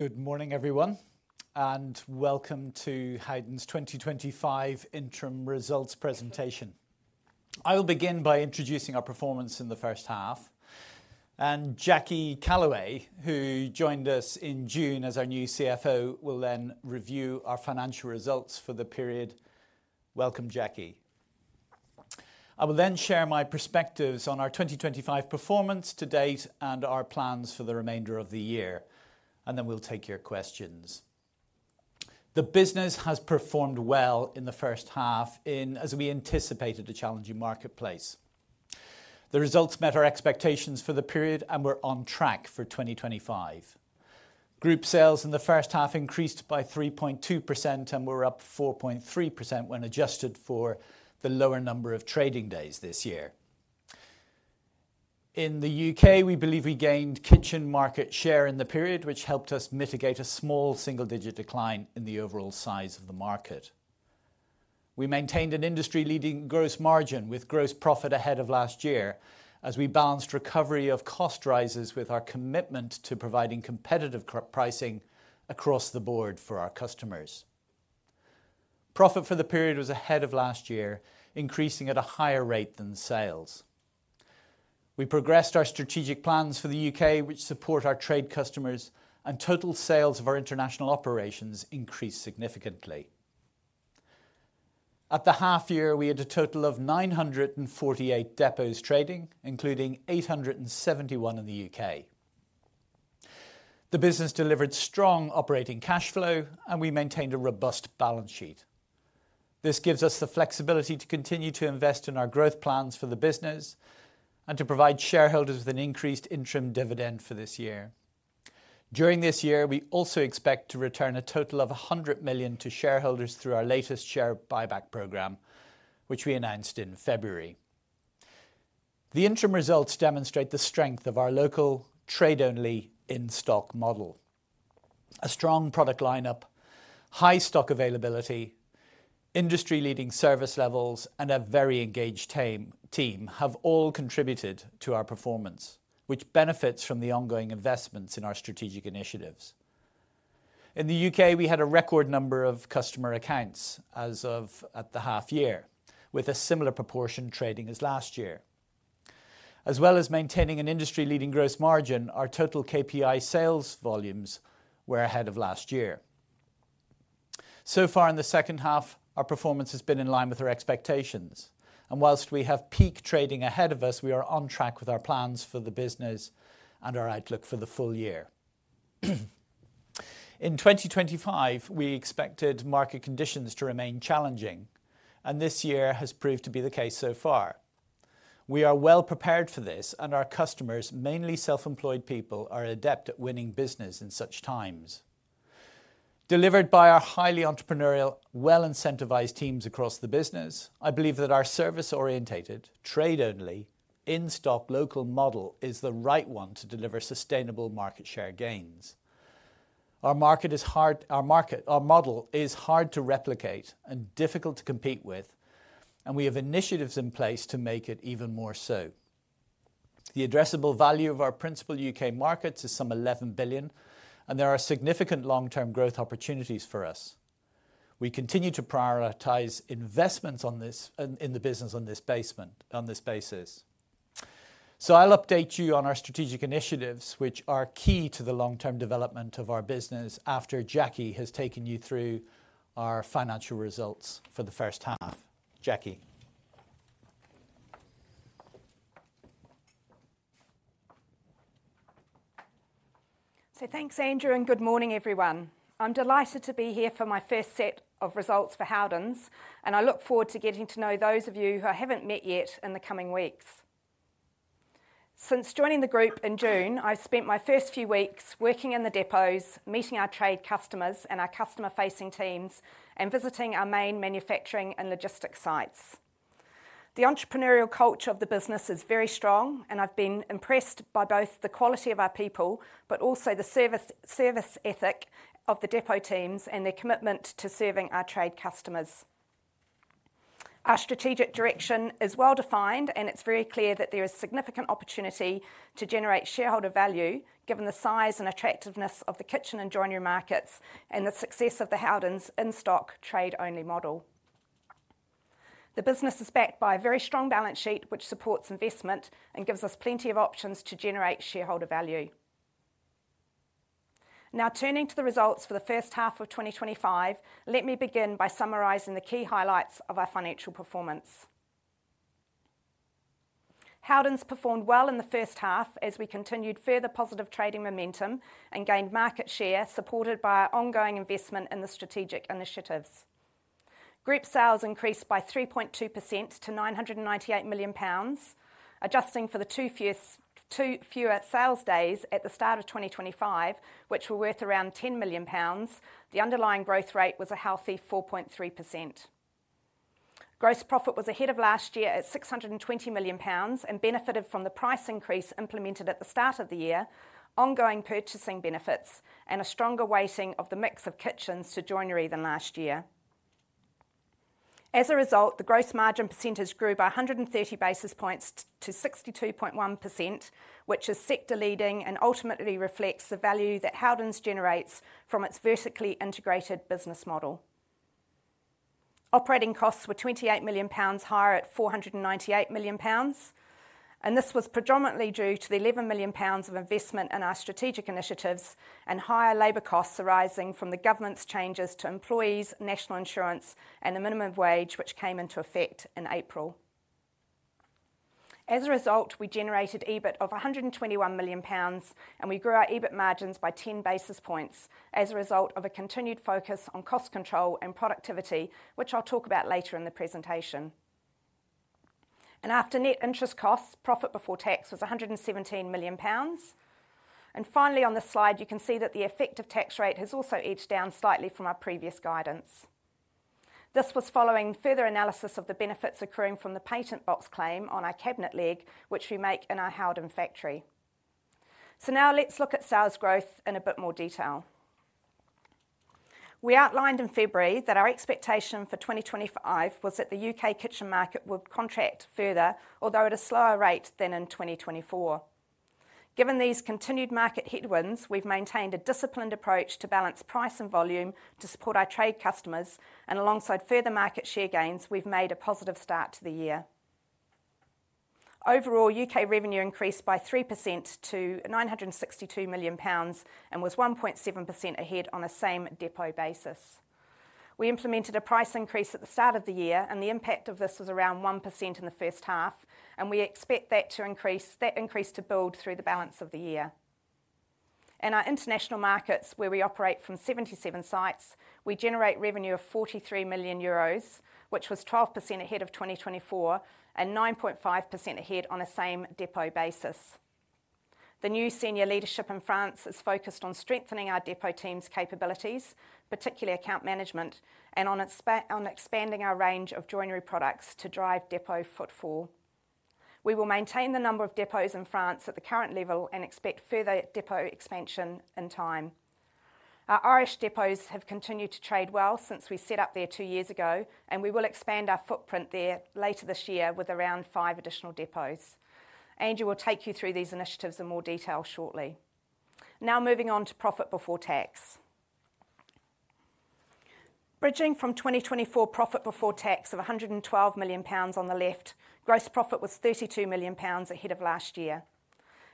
Good morning, everyone, and welcome to Haydn's twenty twenty five Interim Results Presentation. I will begin by introducing our performance in the first half. And Jackie Calloway, who joined us in June as our new CFO, will will then review our financial results for the period. Welcome, Jackie. I will then share my perspectives on our 2025 performance to date and our plans for the remainder of the year, and then we'll take your questions. The business has performed well in the first half in, as we anticipated, a challenging marketplace. The results met our expectations for the period and we're on track for 2025. Group sales in the first half increased by 3.2% and were up 4.3% when adjusted for the lower number of trading days this year. In The U. K, we believe we gained kitchen market share in the period, which helped us mitigate a small single digit decline in the overall size of the market. We maintained an industry leading gross margin with gross profit ahead of last year as we balanced recovery of cost rises with our commitment to providing competitive pricing across the board for our customers. Profit for the period was ahead of last year, increasing at a higher rate than sales. We progressed our strategic plans for The U. K, which support our trade customers, and total sales of our international operations increased significantly. At the half year, we had a total of nine forty eight depots trading, including eight seventy one in The U. K. The business delivered strong operating cash flow, and we maintained a robust balance sheet. This gives us the flexibility to continue to invest in our growth plans for the business and to provide shareholders with an increased interim dividend for this year. During this year, we also expect to return a total of £100,000,000 to shareholders through our latest share buyback program, which we announced in February. The interim results demonstrate the strength of our local, trade only, in stock model. A strong product lineup, high stock availability, industry leading service levels and a very engaged team have all contributed to our performance, which benefits from the ongoing investments in our strategic initiatives. In The U. K, we had a record number of customer accounts as of at the half year, with a similar proportion trading as last year. As well as maintaining an industry leading gross margin, our total KPI sales volumes were ahead of last year. So far in the second half, our performance has been in line with our expectations. And whilst we have peak trading ahead of us, we are on track with our plans for the business and our outlook for the full year. In 2025, we expected market conditions to remain challenging, and this year has proved to be the case so far. We are well prepared for this, and our customers, mainly self employed people, are adept at winning business in such times. Delivered by our highly entrepreneurial, well incentivized teams across the business, I believe that our service orientated, trade only, in stock local model is the right one to deliver sustainable market share gains. Our market is hard our model is hard to replicate and difficult to compete with, and we have initiatives in place to make it even more so. The addressable value of our principal UK markets is some 11,000,000,000, and there are significant long term growth opportunities for us. We continue to prioritize investments on this in the business on this basis. So I'll update you on our strategic initiatives, which are key to the long term development of our business after Jackie has taken you through our financial results for the first half. Jackie? So thanks, Andrew, good morning, everyone. I'm delighted to be here for my first set of results for Howden's, and I look forward to getting to know those of you who I haven't met yet in the coming weeks. Since joining the group in June, I've spent my first few weeks working in the depots, meeting our trade customers and our customer facing teams, and visiting our main manufacturing and logistics sites. The entrepreneurial culture of the business is very strong and I've been impressed by both the quality of our people, but also the service service ethic of the depot teams and their commitment to serving our trade customers. Our strategic direction is well defined and it's very clear that there is significant opportunity to generate shareholder value given the size and attractiveness of the kitchen and joinery markets and the success of the Howden's in stock trade only model. The business is backed by a very strong balance sheet which supports investment and gives us plenty of options to generate shareholder value. Now turning to the results for the first half of twenty twenty five, let me begin by summarizing the key highlights of our financial performance. Howdons performed well in the first half as we continued further positive trading momentum and gained market share supported by our ongoing investment in the strategic initiatives. Group sales increased by 3.2% to £998,000,000, Adjusting for the two fierce two fewer sales days at the start of 2025, which were worth around £10,000,000, the underlying growth rate was a healthy 4.3%. Gross profit was ahead of last year at £620,000,000 and benefited from the price increase implemented at the start of the year, ongoing purchasing benefits, and a stronger weighting of the mix of kitchens to joinery than last year. As a result, the gross margin percentage grew by a 130 basis points to 62.1%, which is sector leading and ultimately reflects the value that Houdouns generates from its vertically integrated business model. Operating costs were £28,000,000 higher at £498,000,000 and this was predominantly due to the £11,000,000 of investment in our strategic initiatives and higher labor costs arising from the government's changes to employees, national insurance and the minimum wage which came into effect in April. As a result, we generated EBIT of a £121,000,000, and we grew our EBIT margins by 10 basis points as a result of a continued focus on cost control and productivity, which I'll talk about later in the presentation. And after net interest costs, profit before tax was a £117,000,000. And finally, on this slide, you can see that the effective tax rate has also edged down slightly from our previous guidance. This was following further analysis of the benefits occurring from the patent box claim on our cabinet leg, which we make in our Howden factory. So now let's look at sales growth in a bit more detail. We outlined in February that our expectation for 2025 was that The UK kitchen market would contract further, although at a slower rate than in 2024. Given these continued market headwinds, we've maintained a disciplined approach to balance price and volume to support our trade customers and alongside further market share gains, we've made a positive start to the year. Overall, UK revenue increased by 3% to £962,000,000 and was 1.7% ahead on a same depot basis. We implemented a price increase at the start of the year, and the impact of this was around 1% in the first half, and we expect that to increase that increase to build through the balance of the year. In our international markets where we operate from 77 sites, we generate revenue of €43,000,000, which was 12% ahead of 2024 and nine point five percent ahead on a same depot basis. The new senior leadership in France is focused on strengthening our depot team's capabilities, particularly account management, and on expanding our range of joinery products to drive depot footfall. We will maintain the number of depots in France at the current level and expect further depot expansion in time. Our Irish depots have continued to trade well since we set up there two years ago, and we will expand our footprint there later this year with around five additional depots. Andrew will take you through these initiatives in more detail shortly. Now moving on to profit before tax. Bridging from 2024 profit before tax of a £112,000,000 on the left, gross profit was £32,000,000 ahead of last year.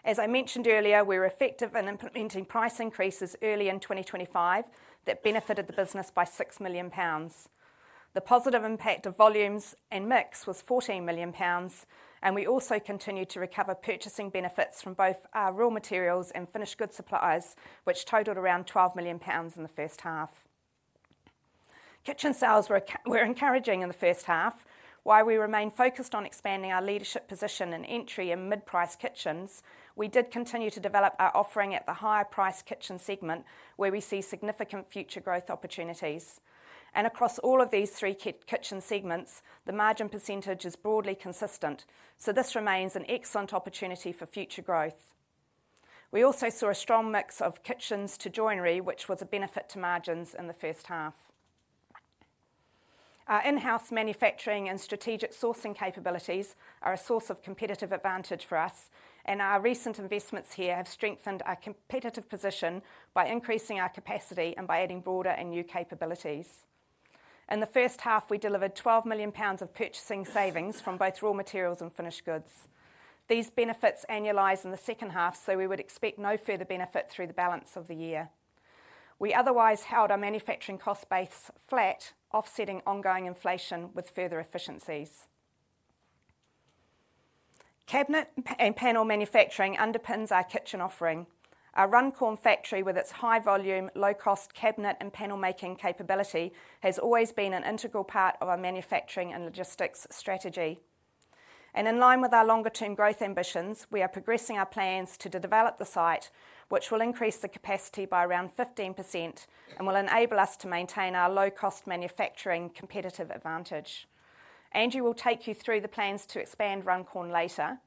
As I mentioned earlier, we were effective in implementing price increases early in 2025 that benefited the business by £6,000,000. The positive impact of volumes and mix was £14,000,000, and we also continued to recover purchasing benefits from both our raw materials and finished goods supplies, which totaled around £12,000,000 in the first half. Kitchen sales were were encouraging in the first half. While we remain focused on expanding our leadership position and entry in mid priced kitchens, we did continue to develop our offering at the higher priced kitchen segment where we see significant future growth opportunities. And across all of these three kitchen segments, the margin percentage is broadly consistent. So this remains an excellent opportunity for future growth. We also saw a strong mix of kitchens to joinery which was a benefit to margins in the first half. Our in house manufacturing and strategic sourcing capabilities are a source of competitive advantage for us, and our recent investments here have strengthened our competitive position by increasing our capacity and by adding broader and new capabilities. In the first half, we delivered £12,000,000 of purchasing savings from both raw materials and finished goods. These benefits annualize in the second half, so we would expect no further benefit through the balance of the year. We otherwise held our manufacturing cost base flat offsetting ongoing inflation with further efficiencies. Cabinet and panel manufacturing underpins our kitchen offering. Our Runcorn factory with its high volume, low cost cabinet and panel making capability has always been an integral part of our manufacturing and logistics strategy. And in line with our longer term growth ambitions, we are progressing our plans to develop the site, which will increase the capacity by around 15% and will enable us to maintain our low cost manufacturing competitive advantage. Andrew will take you through the plans to expand Runcorn later.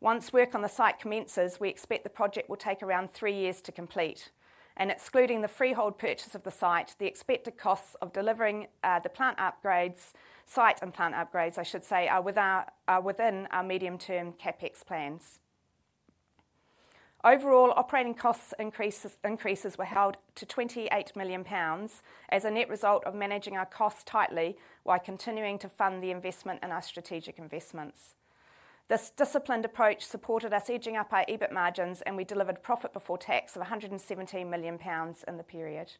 Once work on the site commences, we expect the project will take around three years to complete. And excluding the freehold purchase of the site, the expected costs of delivering the plant upgrades site and plant upgrades, I should say, are with our are within our medium term CapEx plans. Overall, operating costs increases increases were held to £28,000,000 as a net result of managing our costs tightly while continuing to fund the investment in our strategic investments. This disciplined approach supported us edging up our EBIT margins, and we delivered profit before tax of a £117,000,000 in the period.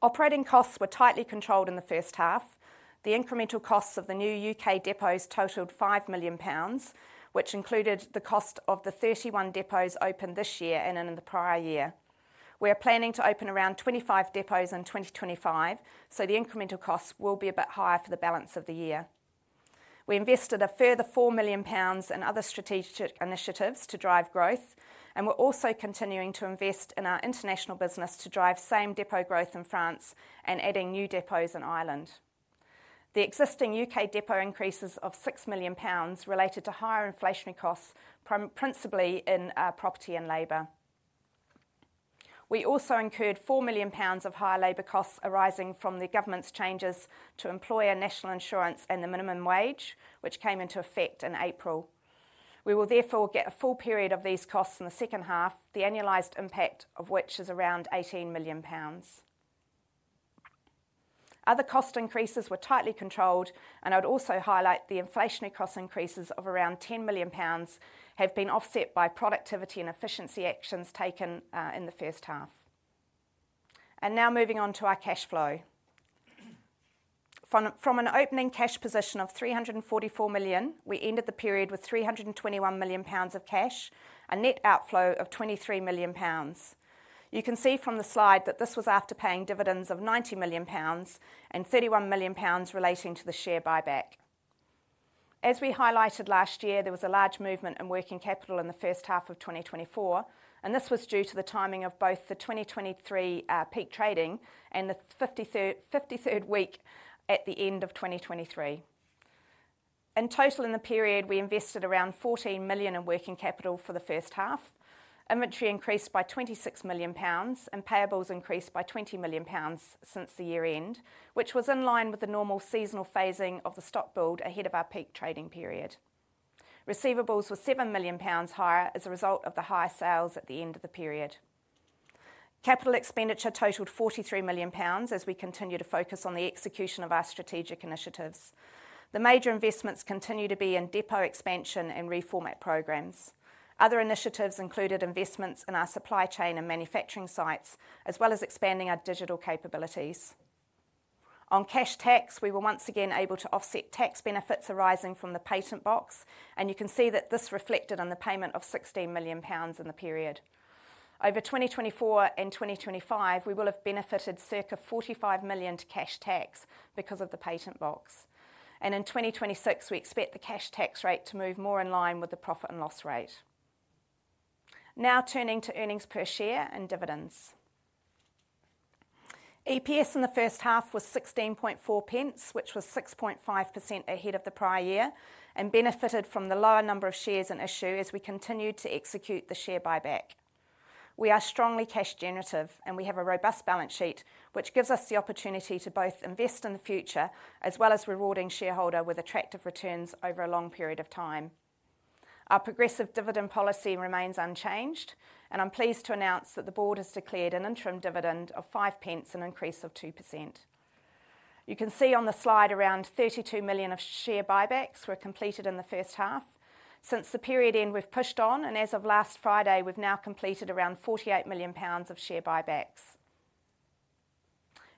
Operating costs were tightly controlled in the first half. The incremental costs of the new UK depots totaled £5,000,000, which included the cost of the 31 depots opened this year and in the prior year. We are planning to open around 25 depots in 2025, so the incremental costs will be a bit higher for the balance of the year. We invested a further £4,000,000 in other strategic initiatives to drive growth, and we're also continuing to invest in our international business to drive same depot growth in France and adding new depots in Ireland. The existing UK depot increases of £6,000,000 related to higher inflationary costs principally in property and labor. We also incurred £4,000,000 of higher labor costs arising from the government's changes to employer national insurance and the minimum wage, which came into effect in April. We will therefore get a full period of these costs in the second half, the annualized impact of which is around £18,000,000. Other cost increases were tightly controlled, and I'd also highlight the inflationary cost increases of around £10,000,000 have been offset by productivity and efficiency actions taken in the first half. And now moving on to our cash flow. From an opening cash position of 344,000,000, we ended the period with £321,000,000 of cash, a net outflow of £23,000,000. You can see from the slide that this was after paying dividends of £90,000,000 and £31,000,000 relating to the share buyback. As we highlighted last year, there was a large movement in working capital in the first half of twenty twenty four, and this was due to the timing of both the 2023 peak trading and the fifty third fifty third week at the end of twenty twenty three. In total in the period, we invested around 14,000,000 in working capital for the first half. Inventory increased by £26,000,000, and payables increased by £20,000,000 since the year end, which was in line with the normal seasonal phasing of the stock build ahead of our peak trading period. Receivables were £7,000,000 higher as a result of the higher sales at the end of the period. Capital expenditure totaled £43,000,000 as we continue to focus on the execution of our strategic initiatives. The major investments continue to be in depot expansion and reformat programs. Other initiatives included investments in our supply chain and manufacturing sites as well as expanding our digital capabilities. On cash tax, we were once again able to offset tax benefits arising from the patent box, and you can see that this reflected on the payment of £16,000,000 in the period. Over 2024 and 2025, we will have benefited circa 45,000,000 to cash tax because of the patent box. And in 2026, we expect the cash tax rate to move more in line with the profit and loss rate. Now turning to earnings per share and dividends. EPS in the first half was 16.4p, which was 6.5 percent ahead of the prior year and benefited from the lower number of shares in issue as we continued to execute the share buyback. We are strongly cash generative and we have a robust balance sheet, which gives us the opportunity to both invest in the future as well as rewarding shareholder with attractive returns over a long period of time. Our progressive dividend policy remains unchanged, and I'm pleased to announce that the board has declared an interim dividend of 5p, an increase of 2%. You can see on the slide around 32,000,000 of share buybacks were completed in the first half. Since the period end, we've pushed on. And as of last Friday, we've now completed around £48,000,000 of share buybacks.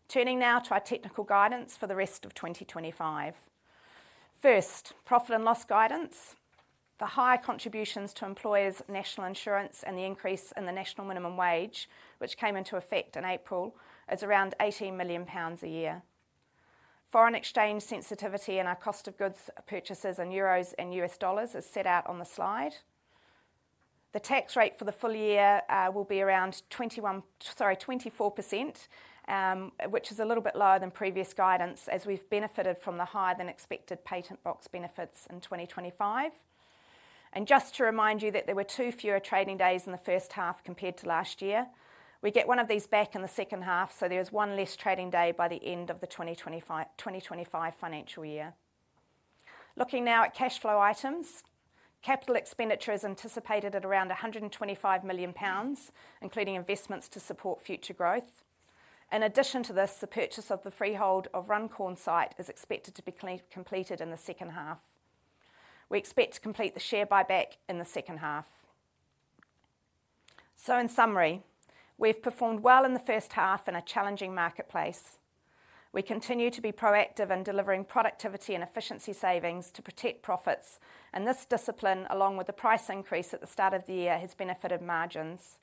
Turning now to our technical guidance for the rest of 2025. First, profit and loss guidance. The higher contributions to employers, national insurance, and the increase in the national minimum wage, which came into effect in April, is around £18,000,000 a year. Foreign exchange sensitivity and our cost of goods purchases in euros and US dollars is set out on the slide. The tax rate for the full year will be around 21, sorry, 24%, which is a little bit lower than previous guidance as we've benefited from the higher than expected patent box benefits in 2025. And just to remind you that there were two fewer trading days in the first half compared to last year. We get one of these back in the second half, so there is one less trading day by the end of the twenty twenty five twenty twenty five financial year. Looking now at cash flow items. Capital expenditure is anticipated at around a £125,000,000, including investments to support future growth. In addition to this, the purchase of the freehold of Runcorn site is expected to be clean completed in the second half. We expect to complete the share buyback in the second half. So in summary, we've performed well in the first half in a challenging marketplace. We continue to be proactive in delivering productivity and efficiency savings to protect profits, and this discipline along with the price increase at the start of the year has benefited margins.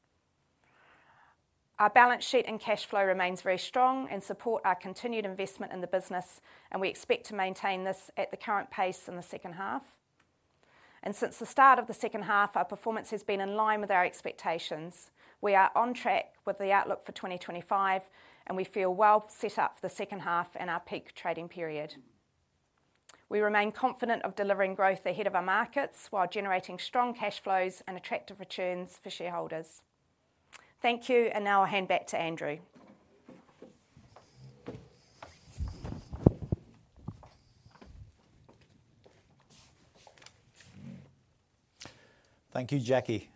Our balance sheet and cash flow remains very strong and support our continued investment in the business, and we expect to maintain this at the current pace in the second half. And since the start of the second half, our performance has been in line with our expectations. We are on track with the outlook for 2025, and we feel well set up for the second half and our peak trading period. We remain confident of delivering growth ahead of our markets while generating strong cash flows and attractive returns for shareholders. Thank you. And now I'll hand back to Andrew. Thank you, Jackie.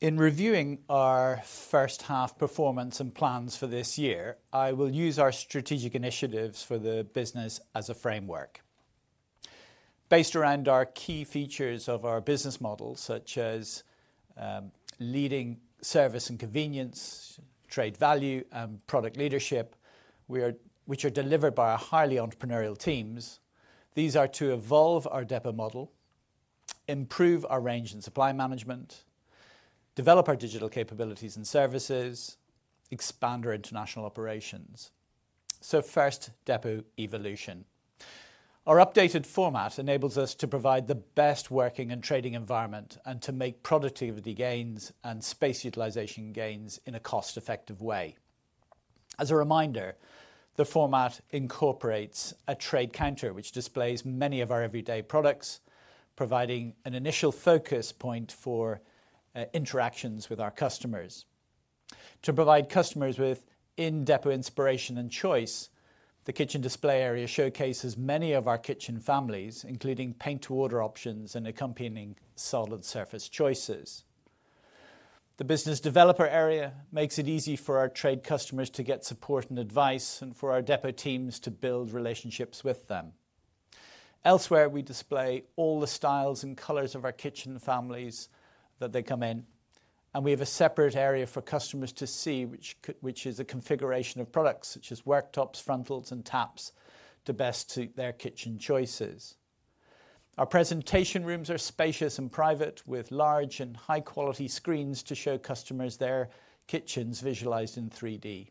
In reviewing our first half performance and plans for this year, I will use our strategic initiatives for the business as a framework. Based around our key features of our business model, such as leading service and convenience, trade value and product leadership, we are which are delivered by our highly entrepreneurial teams, These are to evolve our depot model, improve our range and supply management, develop our digital capabilities and services, expand our international operations. So first, depot evolution. Our updated format enables us to provide the best working and trading environment and to make productivity gains and space utilization gains in a cost effective way. As a reminder, the format incorporates a trade counter, which displays many of our everyday products, providing an initial focus point for interactions with our customers. To provide customers with in depot inspiration and choice, the kitchen display area showcases many of our kitchen families, including paint to order options and accompanying solid surface choices. The business developer area makes it easy for our trade customers to get support and advice and for our depot teams to build relationships with them. Elsewhere, we display all the styles and colors of our kitchen families that they come in, And we have a separate area for customers to see, which is a configuration of products such as worktops, frontals and taps to best suit their kitchen choices. Our presentation rooms are spacious and private with large and high quality screens to show customers their kitchens visualized in three d.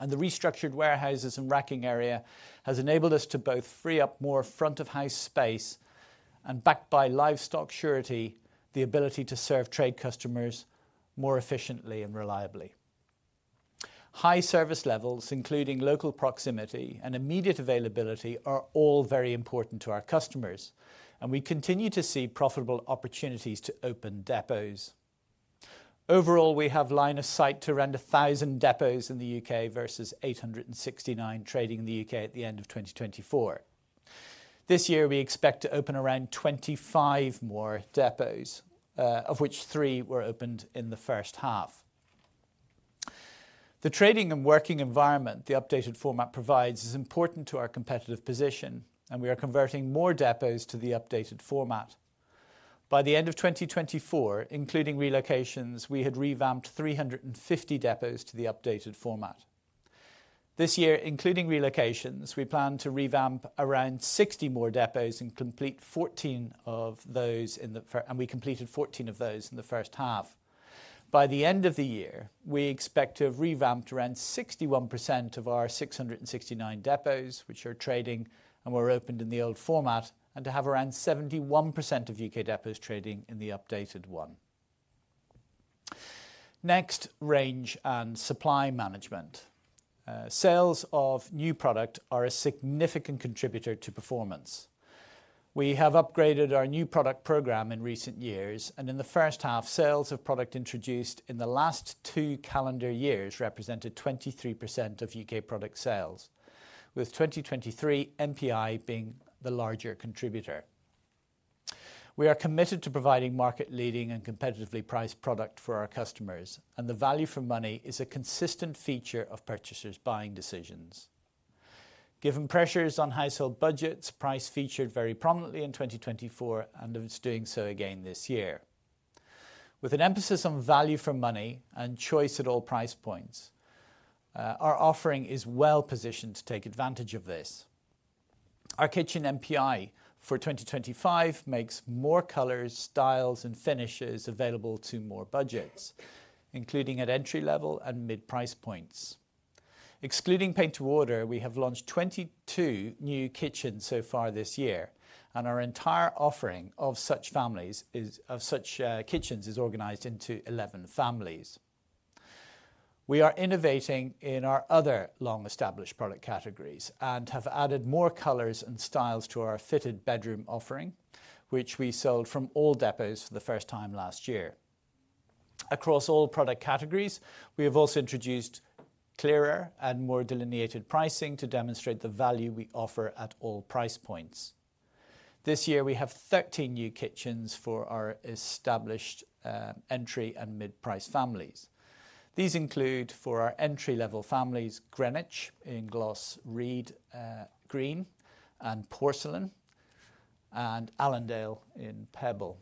And the restructured warehouses and racking area has enabled us to both free up more front of house space and, backed by livestock surety, the ability to serve trade customers more efficiently and reliably. High service levels, including local proximity and immediate availability, are all very important to our customers, and we continue to see profitable opportunities to open depots. Overall, we have line of sight to around 1,000 depots in The U. K. Versus eight sixty nine trading in The U. K. At the end of twenty twenty four. This year, we expect to open around 25 more depots, of which three were opened in the first half. The trading and working environment the updated format provides is important to our competitive position, and we are converting more depots to the updated format. By the end of twenty twenty four, including relocations, we had revamped three fifty depots to the updated format. This year, including relocations, we plan to revamp around 60 more depots and complete 14 of those in the and we completed 14 of those in the first half. By the end of the year, we expect to have revamped around 61% of our six sixty nine depots, which are trading and were opened in the old format, and to have around 71% of U. Depots trading in the updated one. Next, range and supply management. Sales of new product are a significant contributor to performance. We have upgraded our new product program in recent years. And in the first half, sales of product introduced in the last two calendar years represented 23% of U. K. Product sales, with twenty twenty three NPI being the larger contributor. We are committed to providing market leading and competitively priced product for our customers, and the value for money is a consistent feature of purchasers' buying decisions. Given pressures on household budgets, price featured very prominently in 2024, and it's doing so again this year. With an emphasis on value for money and choice at all price points, our offering is well positioned to take advantage of this. Our kitchen NPI for 2025 makes more colors, styles and finishes available to more budgets, including at entry level and mid price points. Excluding paint to order, we have launched 22 new kitchens so far this year, and our entire offering of such families is of such kitchens is organized into 11 families. We are innovating in our other long established product categories and have added more colors and styles to our fitted bedroom offering, which we sold from all depots for the first time last year. Across all product categories, we have also introduced clearer and more delineated pricing to demonstrate the value we offer at all price points. This year, we have 13 new kitchens for our established entry and mid priced families. These include for our entry level families, Greenwich in gloss reed green and porcelain and Allendale in pebble.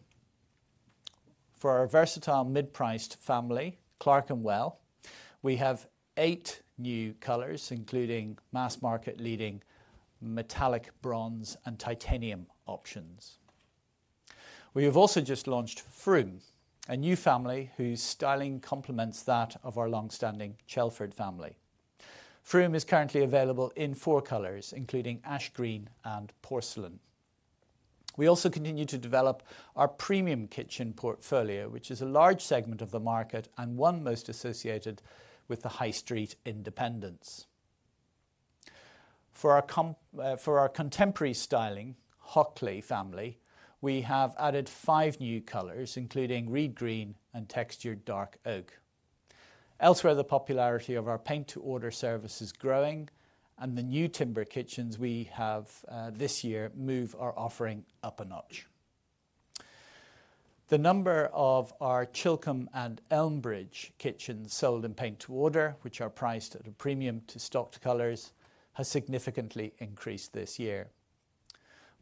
For our versatile mid priced family, Clark and Well, we have eight new colours, including mass market leading metallic bronze and titanium options. We have also just launched Froome, a new family whose styling complements that of our long standing Chelford family. Froome is currently available in four colors, including ash green and porcelain. We also continue to develop our premium kitchen portfolio, which is a large segment of the market and one most associated with the High Street independence. For contemporary styling, Hockley family, we have added five new colors, including reed green and textured dark oak. Elsewhere, the popularity of our paint to order service is growing, and the new timber kitchens we have this year move our offering up a notch. The number of our Chilcombe and Elmbridge kitchens sold in paint to order, which are priced at a premium to stocked colors, has significantly increased this year.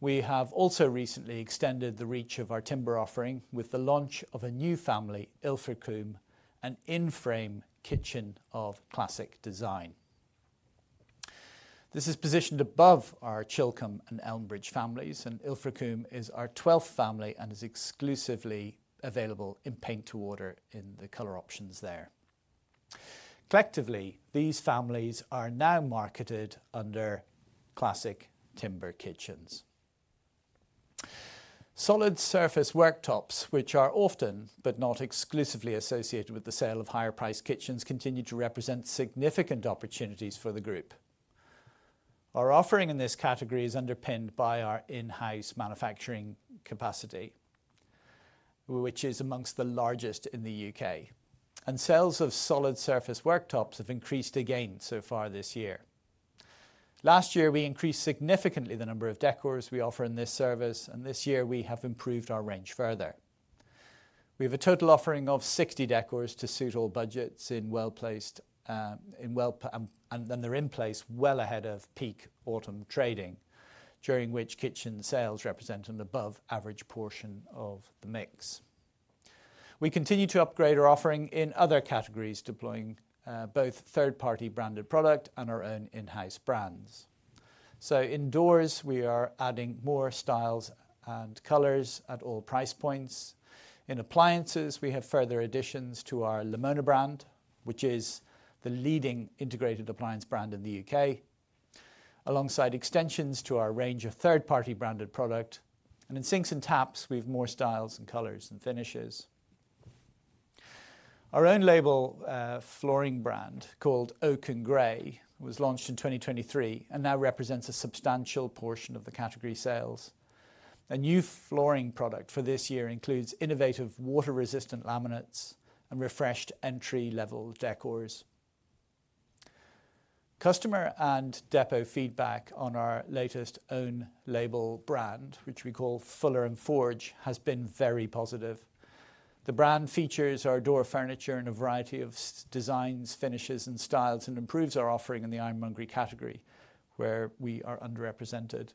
We have also recently extended the reach of our timber offering with the launch of a new family, Ilfracombe, an in frame kitchen of classic design. This is positioned above our Chilcum and Elmbridge families, and Ilfricoom is our twelfth family and is exclusively available in paint to order in the color options there. Collectively, these families are now marketed under classic timber kitchens. Solid surface worktops, which are often but not exclusively associated with the sale of higher priced kitchens, continue to represent significant opportunities for the group. Our offering in this category is underpinned by our in house manufacturing capacity, which is amongst the largest in The U. K. And sales of solid surface worktops have increased again so far this year. Last year, we increased significantly the number of decors we offer in this service, and this year, we have improved our range further. We have a total offering of 60 decors to suit all budgets in well placed and they're in place well ahead of peak autumn trading, during which kitchen sales represent an above average portion of the mix. We continue to upgrade our offering in other categories, deploying both third party branded product and our own in house brands. So indoors, we are adding more styles and colors at all price points. In appliances, we have further additions to our Limona brand, which is the leading integrated appliance brand in The U. K, alongside extensions to our range of third party branded product. And in sinks and taps, we have more styles and colors and finishes. Our own label flooring brand called Oak and Grey was launched in 2023 and now represents a substantial portion of the category sales. A new flooring product for this year includes innovative water resistant laminates and refreshed entry level decors. Customer and depot feedback on our latest own label brand, which we call Fuller and Forge, has been very positive. The brand features our door furniture in a variety of designs, finishes and styles and improves our offering in the ironmongery category, where we are underrepresented.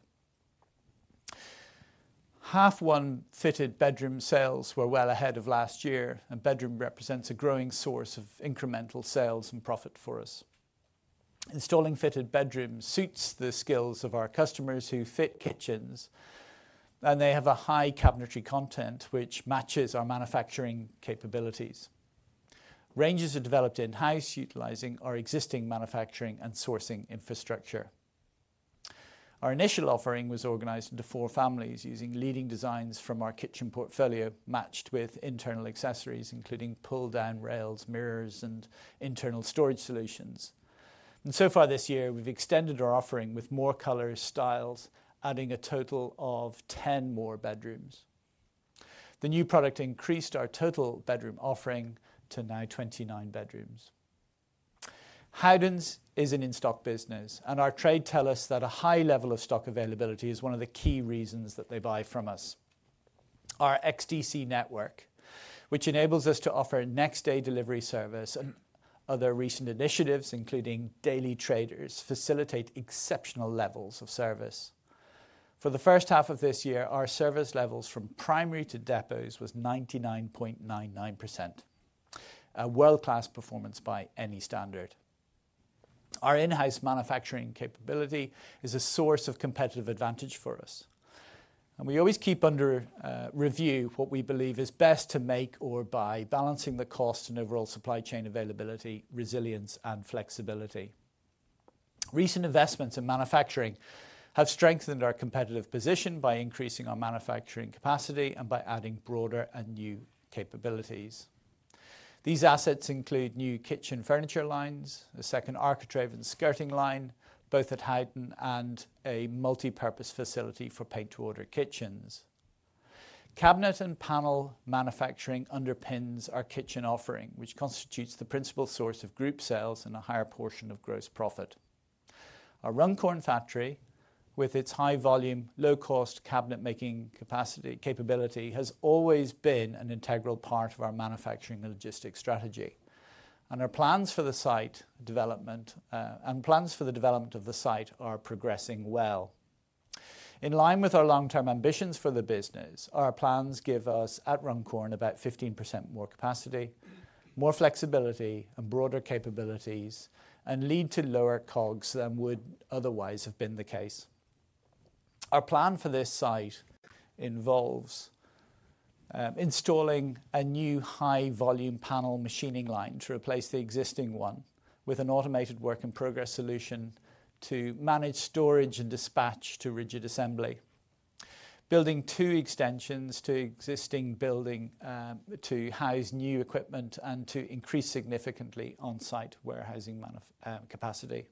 Half one fitted bedroom sales were well ahead of last year, and bedroom represents a growing source of incremental sales and profit for us. Installing fitted bedroom suits the skills of our customers who fit kitchens, and they have a high cabinetry content, which matches our manufacturing capabilities. Ranges are developed in house, utilizing our existing manufacturing and sourcing infrastructure. Our initial offering was organized into four families using leading designs from our kitchen portfolio matched with internal accessories, including pull down rails, mirrors and internal storage solutions. And so far this year, we've extended our offering with more colors, styles, adding a total of 10 more bedrooms. The new product increased our total bedroom offering to now 29 bedrooms. Howdens is an in stock business, and our trade tell us that a high level of stock availability is one of the key reasons that they buy from us. Our XDC network, which enables us to offer next day delivery service and other recent initiatives, including daily traders, facilitate exceptional levels of service. For the first half of this year, our service levels from primary to depots was 99.99, a world class performance by any standard. Our in house manufacturing capability is a source of competitive advantage for And we always keep under review what we believe is best to make or by balancing the cost and overall supply chain availability, resilience and flexibility. Recent investments in manufacturing have strengthened our competitive position by increasing our manufacturing capacity and by adding broader and new capabilities. These assets include new kitchen furniture lines, a second architrave and skirting line, both at Haydn, and a multipurpose facility for paint to order kitchens. Cabinet and panel manufacturing underpins our kitchen offering, which constitutes the principal source of group sales and a higher portion of gross profit. Our Rumcorn factory, with its high volume, low cost cabinet making capacity capability, has always been an integral part of our manufacturing and logistics strategy. And our plans for the site development and plans for the development of the site are progressing well. In line with our long term ambitions for the business, our plans give us, at Rumkorn, about 15% more capacity, more flexibility and broader capabilities and lead to lower COGS than would otherwise have been the case. Our plan for this site involves installing a new high volume panel machining line to replace the existing one with an automated work in progress solution to manage storage and dispatch to rigid assembly, building two extensions to existing building to house new equipment and to increase significantly on-site warehousing capacity.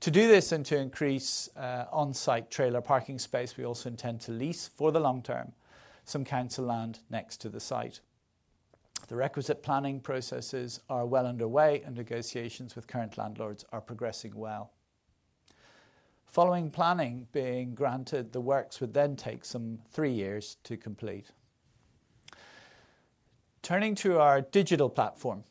To do this and to increase on-site trailer parking space, we also intend to lease for the long term some council land next to the site. The requisite planning processes are well underway and negotiations with current landlords are progressing well. Following planning being granted, the works would then take some three years to complete. Turning to our digital platform.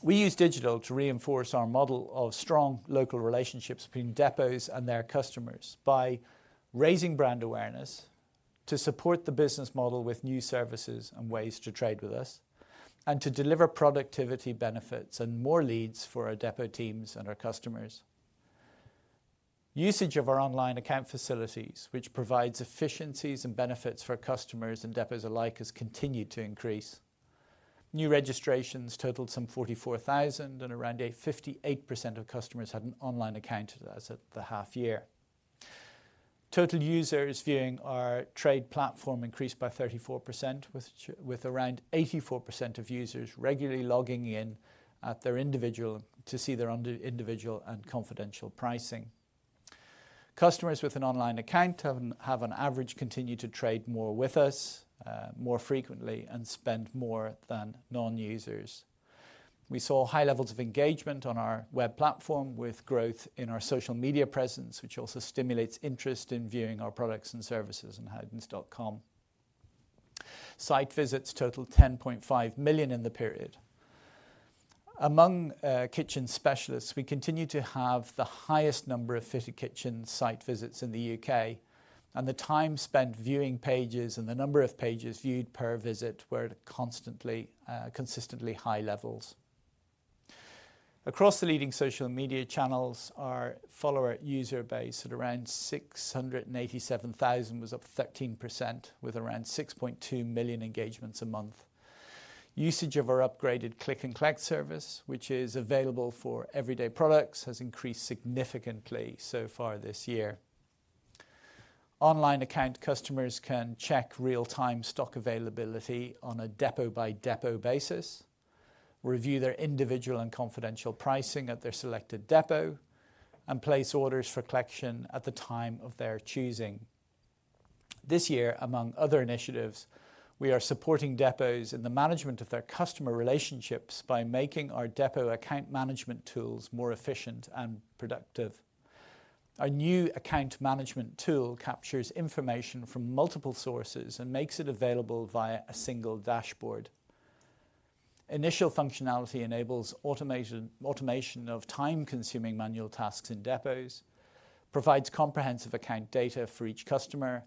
We use digital to reinforce our model of strong local relationships between depots and their customers by raising brand awareness to support the business model with new services and ways to trade with us and to deliver productivity benefits and more leads for our depot teams and our customers. Usage of our online account facilities, which provides efficiencies and benefits for our customers and depots alike, has continued to increase. New registrations totaled some 44,000, and around 58% of customers had an online account as of the half year. Total users viewing our trade platform increased by 34%, with around 84% of users regularly logging in at their individual to see their individual and confidential pricing. Customers with an online account have an average continued to trade more with us more frequently and spend more than nonusers. We saw high levels of engagement on our web platform with growth in our social media presence, which also stimulates interest in viewing our products and services in hygmans.com. Site visits totaled 10,500,000 in the period. Among kitchen specialists, we continue to have the highest number of fitted kitchen site visits in The UK, And the time spent viewing pages and the number of pages viewed per visit were at constantly consistently high levels. Across the leading social media channels, our follower user base at around 687,000 was up 13% with around 6,200,000 engagements a month. Usage of our upgraded Click and Collect service, which is available for everyday products, has increased significantly so far this year. Online account customers can check real time stock availability on a depot by depot basis, review their individual and confidential pricing at their selected depot and place orders for collection at the time of their choosing. This year, among other initiatives, we are supporting depots in the management of their customer relationships by making our depot account management tools more efficient and productive. Our new account management tool captures information from multiple sources and makes it available via a single dashboard. Initial functionality enables automation of time consuming manual tasks in depots, provides comprehensive account data for each customer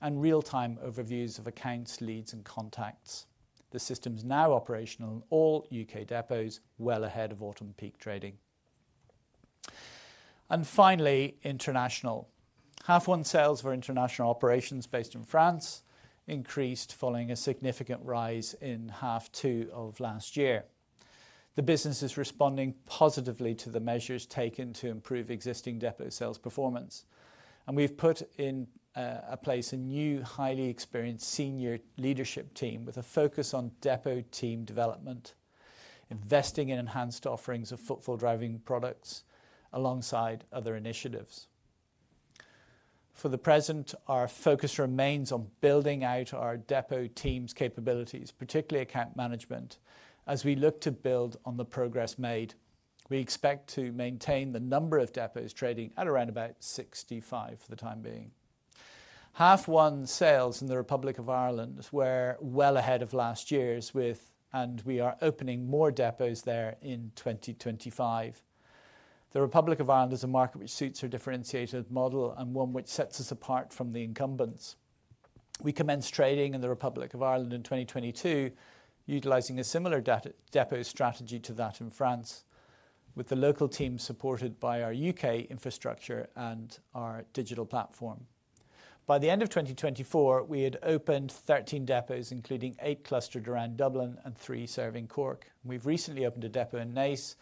and real time overviews of accounts, leads and contacts. The system is now operational in all U. K. Depots, well ahead of autumn peak trading. And finally, International. Half one sales for international operations based in France increased following a significant rise in half two of last year. The business is responding positively to the measures taken to improve existing depot sales performance. And we've put in place a new highly experienced senior leadership team with a focus on depot team development, investing in enhanced offerings of footfall driving products alongside other initiatives. For the present, our focus remains on building out our depot team's capabilities, particularly account management, as we look to build on the progress made. We expect to maintain the number of depots trading at around about 65 for the time being. Half one sales in The Republic Of Ireland were well ahead of last year's with and we are opening more depots there in 2025. The Republic Of Ireland is a market which suits our differentiated model and one which sets us apart from the incumbents. We commenced trading in The Republic Of Ireland in 2022, utilizing a similar depot strategy to that in France, with the local team supported by our U. K. Infrastructure and our digital platform. By the end of twenty twenty four, we had opened 13 depots, including eight clustered around Dublin and three serving Cork. We've recently opened a depot in Nace.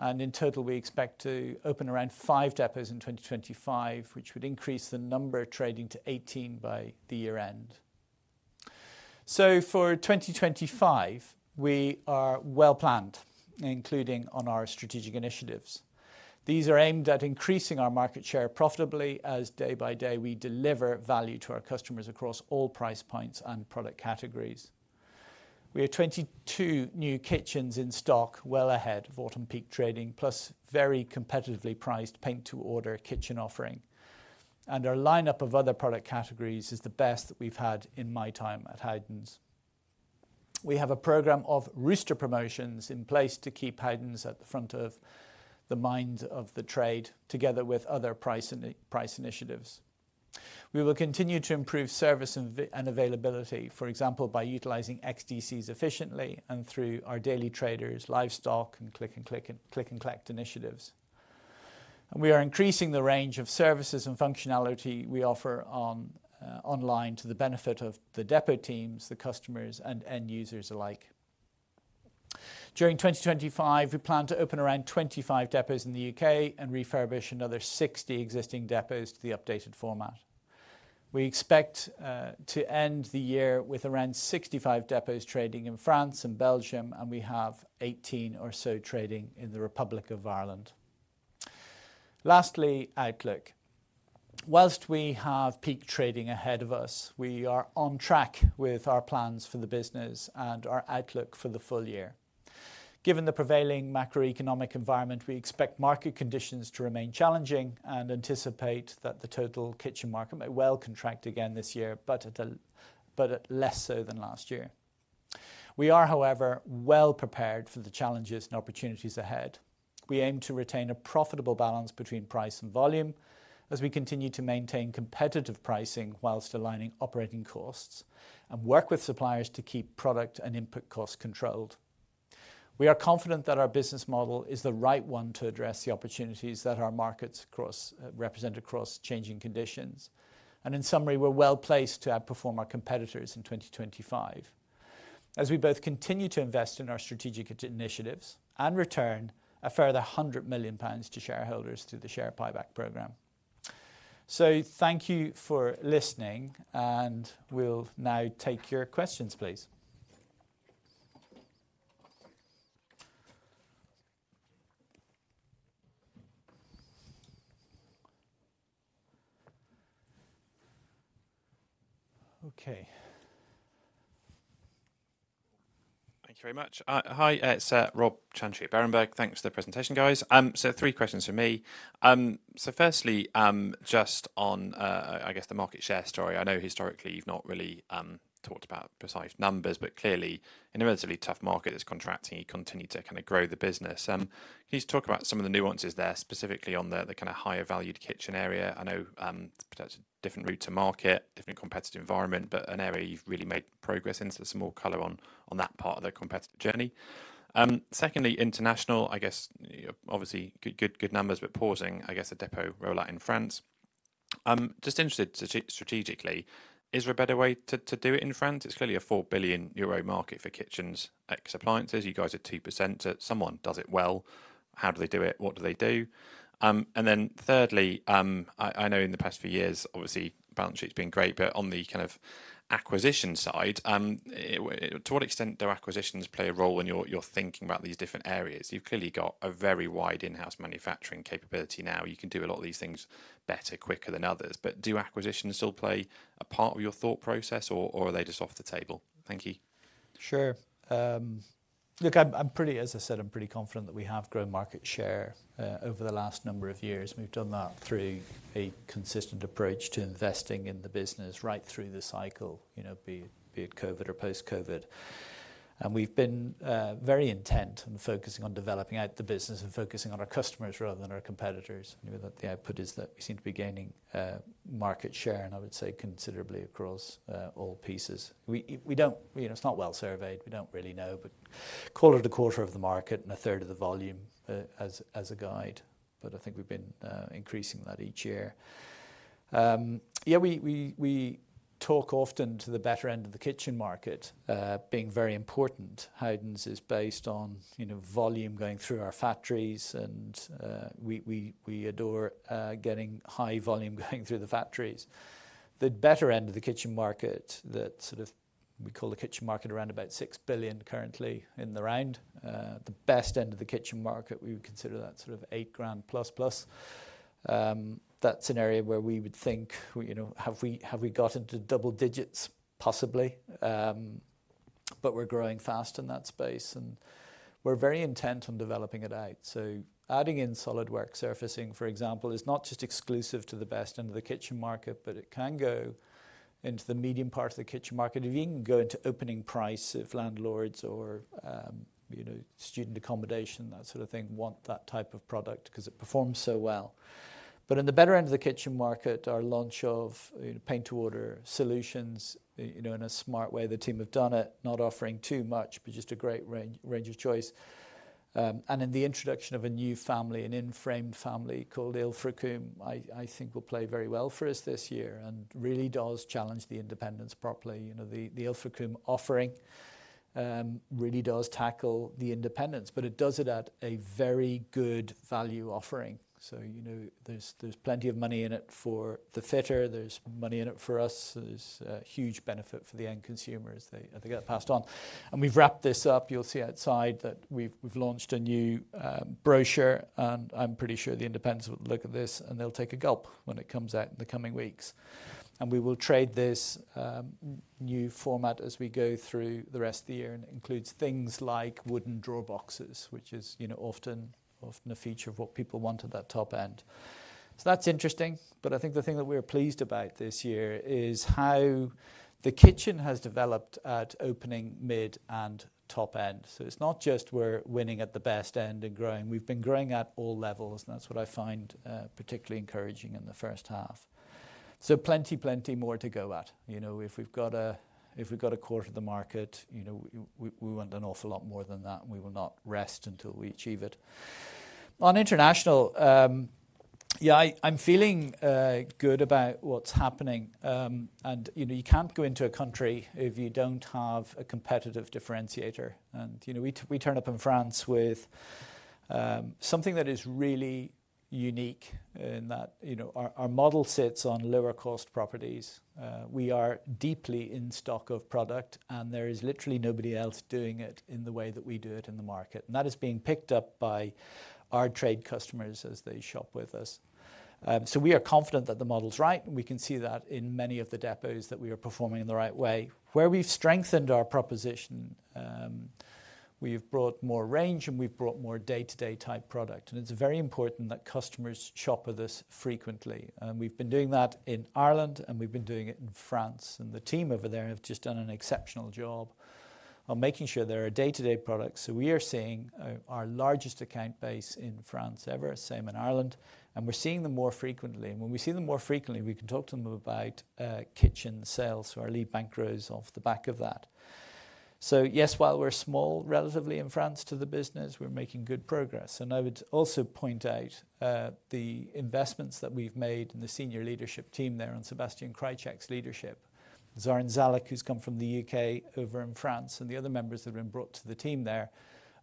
And in total, we expect to open around five depots in 2025, which would increase the number trading to 18 by the year end. So for 2025, we are well planned, including on our strategic initiatives. These are aimed at increasing our market share profitably as day by day we deliver value to our customers across all price points and product categories. We have 22 new kitchens in stock, well ahead of autumn peak trading, plus very competitively priced paint to order kitchen offering. And our lineup of other product categories is the best that we've had in my time at Haydens. We have a program of rooster promotions in place to keep Haydens at the front of the mind of the trade, together with other price initiatives. We will continue to improve service and availability, for example, by utilizing XDCs efficiently and through our Daily Traders livestock and click and collect initiatives. We are increasing the range of services and functionality we offer online to the benefit of the depot teams, the customers and end users alike. During 2025, we plan to open around 25 depots in The U. K. And refurbish another 60 existing depots to the updated format. We expect to end the year with around 65 depots trading in France and Belgium, and we have 18 or so trading in The Republic Of Ireland. Lastly, outlook. Whilst we have peak trading ahead of us, we are on track with our plans for the business and our outlook for the full year. Given the prevailing macroeconomic environment, we expect market conditions to remain challenging and anticipate that the total Kitchen market may well contract again this year, but less so than last year. We are, however, well prepared for the challenges and opportunities ahead. We aim to retain a profitable balance between price and volume as we continue to maintain competitive pricing whilst aligning operating costs and work with suppliers to keep product and input costs controlled. We are confident that our business model is the right one to address the opportunities that our markets represent across changing conditions. And in summary, we're well placed to outperform our competitors in 2025. As we both continue to invest in our strategic initiatives and return a further 100,000,000 pounds to shareholders through the share buyback program. So thank you for listening, and we'll now take your questions, please. Thank you very much. Hi, it's Rob Okay. Chantry at Berenberg. Thanks for the presentation guys. So three questions for me. So firstly, just on I guess the market share story. I know historically you've not really talked about precise numbers. But clearly, in a relatively tough market that's contracting, you continue to kind of grow the business. Can you just talk about some of the nuances there, specifically on the kind of higher valued kitchen area? I know, perhaps, different route to market, different competitive environment, but an area you've really made progress into some more color on that part of the competitive journey. Secondly, international, I guess, obviously, good numbers, but pausing, I guess, the depot rollout in France. Just interested strategically, is there a better way to do it in France? It's clearly a €4,000,000,000 market for kitchens ex appliances. You guys are 2%. Someone does it well. How do they do it? What do they do? And then thirdly, I know in the past few years, obviously, balance sheet has been great. But on the kind of acquisition side, to what extent do acquisitions play a role in your thinking about these different areas? You've clearly got a very wide manufacturing capability now. You can do a lot of these things better quicker than others. But do acquisitions still play a part of your thought process or are they just off the table? Thank you. Sure. Look, I'm pretty as I said, I'm pretty confident that we have grown market customers rather than our competitors. The output is that we seem to be gaining market share and I would say considerably across all pieces. We don't it's not well surveyed, we don't really know, but quarter to quarter of the market and a third of the volume as a guide. But I think we've been increasing that each year. Yes, we talk often to the better end of the kitchen market being very important. Howdens is based on volume going through our factories and we adore getting high volume going through the factories. The better end of the kitchen market that sort of we call the kitchen market around about 6,000,000,000 currently in the round. The best end of the kitchen market, we would consider that sort of $8 plus, plus. That's an area where we would think, have we gotten to double digits possibly, but we're growing fast in that space and we're very intent on developing it out. So adding in solid work surfacing, for example, is not just exclusive to the best in the kitchen market, but it can go into the medium part of the kitchen market. If you can go to opening price of landlords or student accommodation, that sort of thing, want that type of product because it performs so well. But in the better end of the kitchen market, our launch of paint to order solutions in a smart way, the team have done it, not offering too much, but just a great range of choice. And in the introduction of a new family, an in frame family called Ilfracombe, I think will play very well for us this year and really does challenge the independents properly. The Ilfracombe offering really does tackle the independents, but it does it at a very good value offering. So there's plenty of money in it for the fitter, there's money in it for us, there's huge benefit for the end consumers, they get passed on. And we've wrapped this up, you'll see outside that we've launched a new brochure. And I'm pretty sure the independents would look at this and they'll take a gulp when it comes out in the coming weeks. And we will trade this new format as we go through the rest of the year and includes things like wooden draw boxes, which is often a feature of what people wanted at top end. So that's interesting. But I think the thing that we are pleased about this year is how the kitchen has developed at opening mid and top end. So it's not just we're winning at the best end and growing. We've been growing at all levels, and that's what I find particularly encouraging in the first half. So plenty, plenty more to go at. If we've got a quarter of the market, we want an awful lot more than that and we will not rest until we achieve it. On international, yes, I'm feeling good about what's happening. And you can't go into a country if you don't have a competitive differentiator. And we turn up in France with something that is really unique in that our model sits on lower cost properties. We are deeply in stock of product and there is literally nobody else doing it in the way that we do it in the market. And that is being picked up by our trade customers as they shop with us. So we are confident that the model is right, and we can see that in many of the depots that we are performing in the right way. Where we've strengthened our proposition, we've brought more range and we've brought more day to day type product. And it's very important that customers shop at this frequently. And we've been doing that in Ireland and we've been doing it in France. And the team over there have just done an exceptional job of making sure there are day to day products. So we are seeing our largest account base in France ever, same in Ireland. And we're seeing them more frequently. And when we see them more frequently, we can talk to them about kitchen sales, so our lead bank grows off the back of that. So yes, while we're small relatively in France to the business, we're making good progress. And I would also point out the investments that we've made in the senior leadership team there and Sebastian Krycek's leadership. Zarinzalek, who's come from The U. K. Over in France and the other members have been brought to the team there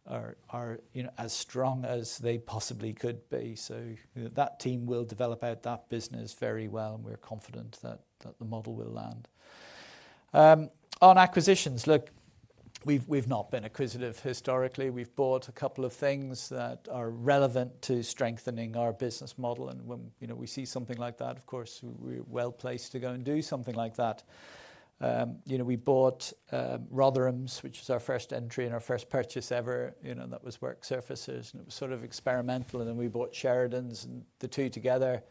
are as strong as they possibly could be. So that team will develop out that business very well and we're confident that the model will land. On acquisitions, look, we've not been acquisitive historically. We've bought a couple of things that are relevant to strengthening our business model. And when we see something like that, of course, we're well placed to go and do something like that. We bought Rotherham's, which is our first entry and our first purchase ever, that was work surfaces and it was sort of experimental and then we bought Sheridan's and the two together.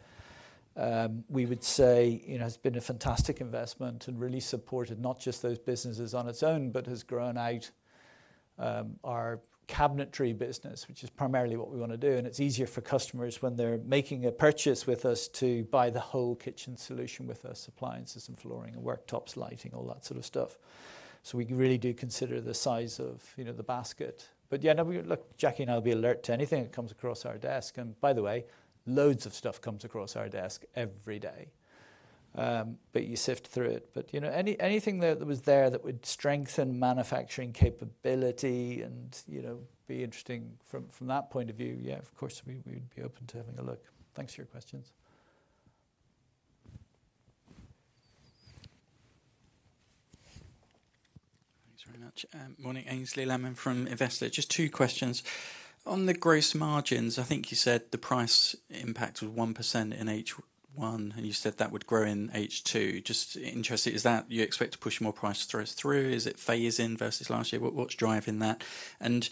We would say it's been a fantastic investment and really supported not just those businesses on its own, but has grown out our cabinetry business, which is primarily what we want to do. And it's easier for customers when they're making a purchase with us to buy the whole kitchen solution with us, appliances and flooring and worktops, lighting, all that sort of stuff. So we can really do consider the size of the basket. But yes, look, Jackie and I will be alert to anything that comes across our desk. And by the way, loads of stuff comes across our desk every day. But you sift through it. But anything that was there that would strengthen manufacturing capability and be interesting from that point of view, yes, of course, we'd be open to having a look. Thanks for your questions. Aynesley Lammin from Investo. Just two questions. On the gross margins, I think you said the price impact was 1% in H1, and you said that would grow in H2. Just interested, is that you expect to push more price through? Is it phase in versus last year? What's driving that? And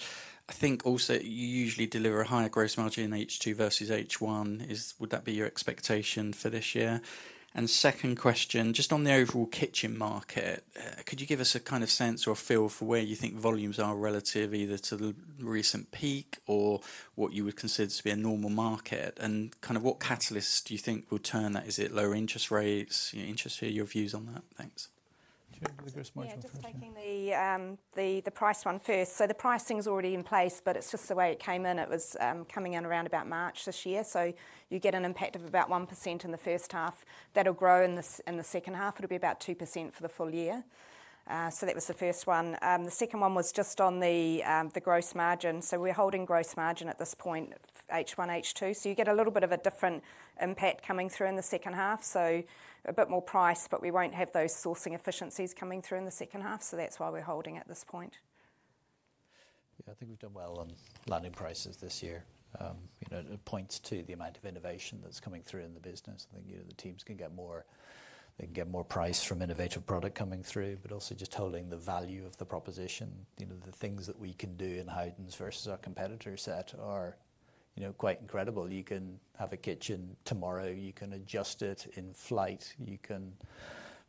I think also you usually deliver a higher gross margin in H2 versus H1. Is would that be your expectation for this year? And second question, just on the overall kitchen market, could you give us a kind of sense or feel for where you think volumes are relative either to the recent peak or what you would consider to be a normal market? And kind of what catalysts do you think will turn that? Is it lower interest rates, interest rate, your views on that? Thanks. Yes, taking the price one first. So the pricing is already in place, but it's just the way it came in. It was coming in around about March. So you get an impact of about 1% in the first half. That will grow in this in the second half, it'll be about two percent for the full year. So that was the first one. The second one was just on the the gross margin. So we're holding gross margin at this point, h one, h two. So you get a little bit of a different impact coming through in the second half. So a bit more price, but we won't have those sourcing efficiencies coming through in the second half. So that's why we're holding at this point. I think we've done well on landing prices this year. Points to the amount of innovation that's coming through in the business. I think the teams can get more can get more price from innovative product coming through, but also just holding the value of the proposition. The things that we can do in Haidens versus our competitors set are quite incredible. You can have a kitchen tomorrow. You can adjust it in flight. You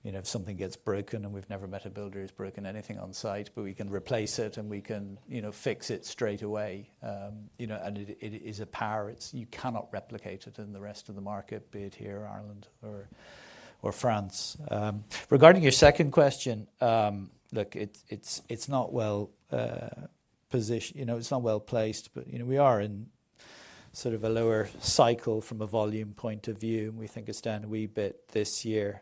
if something gets broken and we've never met a builder who's broken anything on-site, but we can replace it and we can fix it straight away. And it is a power, it's you cannot replicate it in the rest of the market, be it here, Ireland or France. Regarding your second question, look, it's not well positioned it's not well placed, but we are in sort of a lower cycle from a volume point of view. We think it's down a wee bit this year.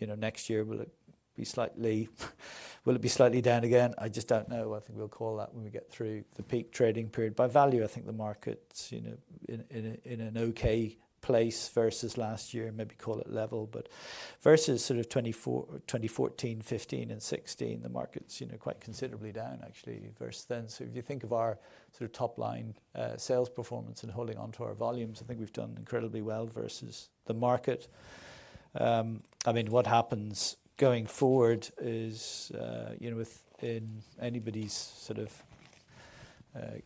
Next year will it be slightly down again? I just don't know. I think we'll call that when we get through the peak trading period. By value, I think the market in an okay place versus last year, maybe call it level. But versus sort of 2014, 'fifteen and 'sixteen, the markets quite considerably down actually versus then. So if you think of our sort of top line sales performance and holding on to our volumes, I think we've done incredibly well versus the market. I mean what happens going forward is within anybody's sort of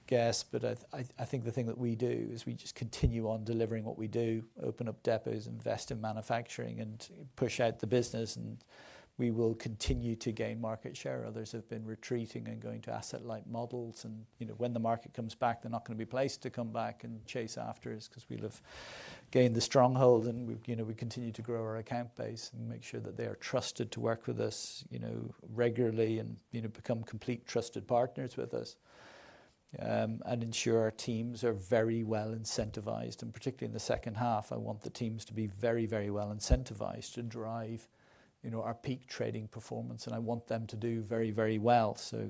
guess, but I think the thing that we do is we continue on delivering what we do, open up depots, invest in manufacturing and push out the business and we will continue to gain market share. Others have been retreating and going to asset light models. And when the market comes back, they're not going to be placed to come back and chase after us because we love gained the stronghold and we continue to grow our account base and make sure that they are trusted to work with us regularly and become complete trusted partners with us and ensure our teams are very well incentivized. And particularly in the second half, I want the teams to be very, very well incentivized to drive our peak trading performance and I want them to do very, very well. So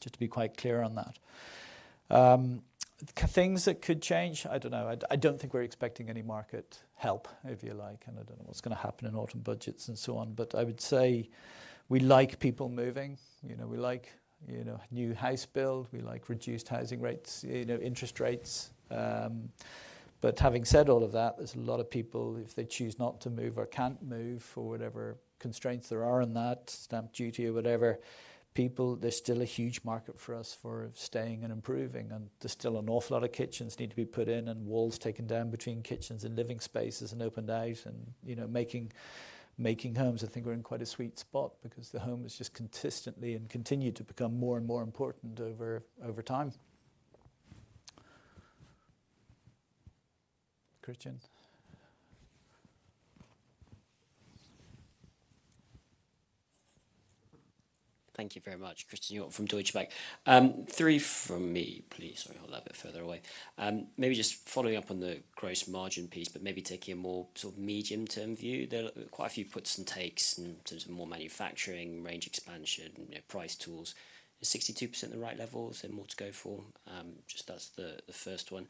just to be quite clear on that. Things that could change, I don't know. I don't think we're expecting any market help, if you like, and I don't know what's going to happen in autumn budgets and so on. But I would say we like people moving. We like new house build. We like reduced housing rates, interest rates. But having said all of that, there's a lot of people if they choose not to move or can't move for whatever constraints there are in that stamp duty or whatever people, there's still a huge market for us for staying and improving. And there's still an awful lot of kitchens need to be put in and walls taken down between kitchens and living spaces and opened out and making homes. I think we're in quite a sweet spot because the home is just consistently and continue to become more and more important over time. Christian? You very much. Christian York from Deutsche Bank. Three from me, please. Sorry, hold that a bit further away. Maybe just following up on the gross margin piece, but maybe taking a more sort of medium term view. There are quite a few puts and takes in terms of more manufacturing, range expansion, price tools. Is 62% the right level? Is there more to go for? Just that's the first one.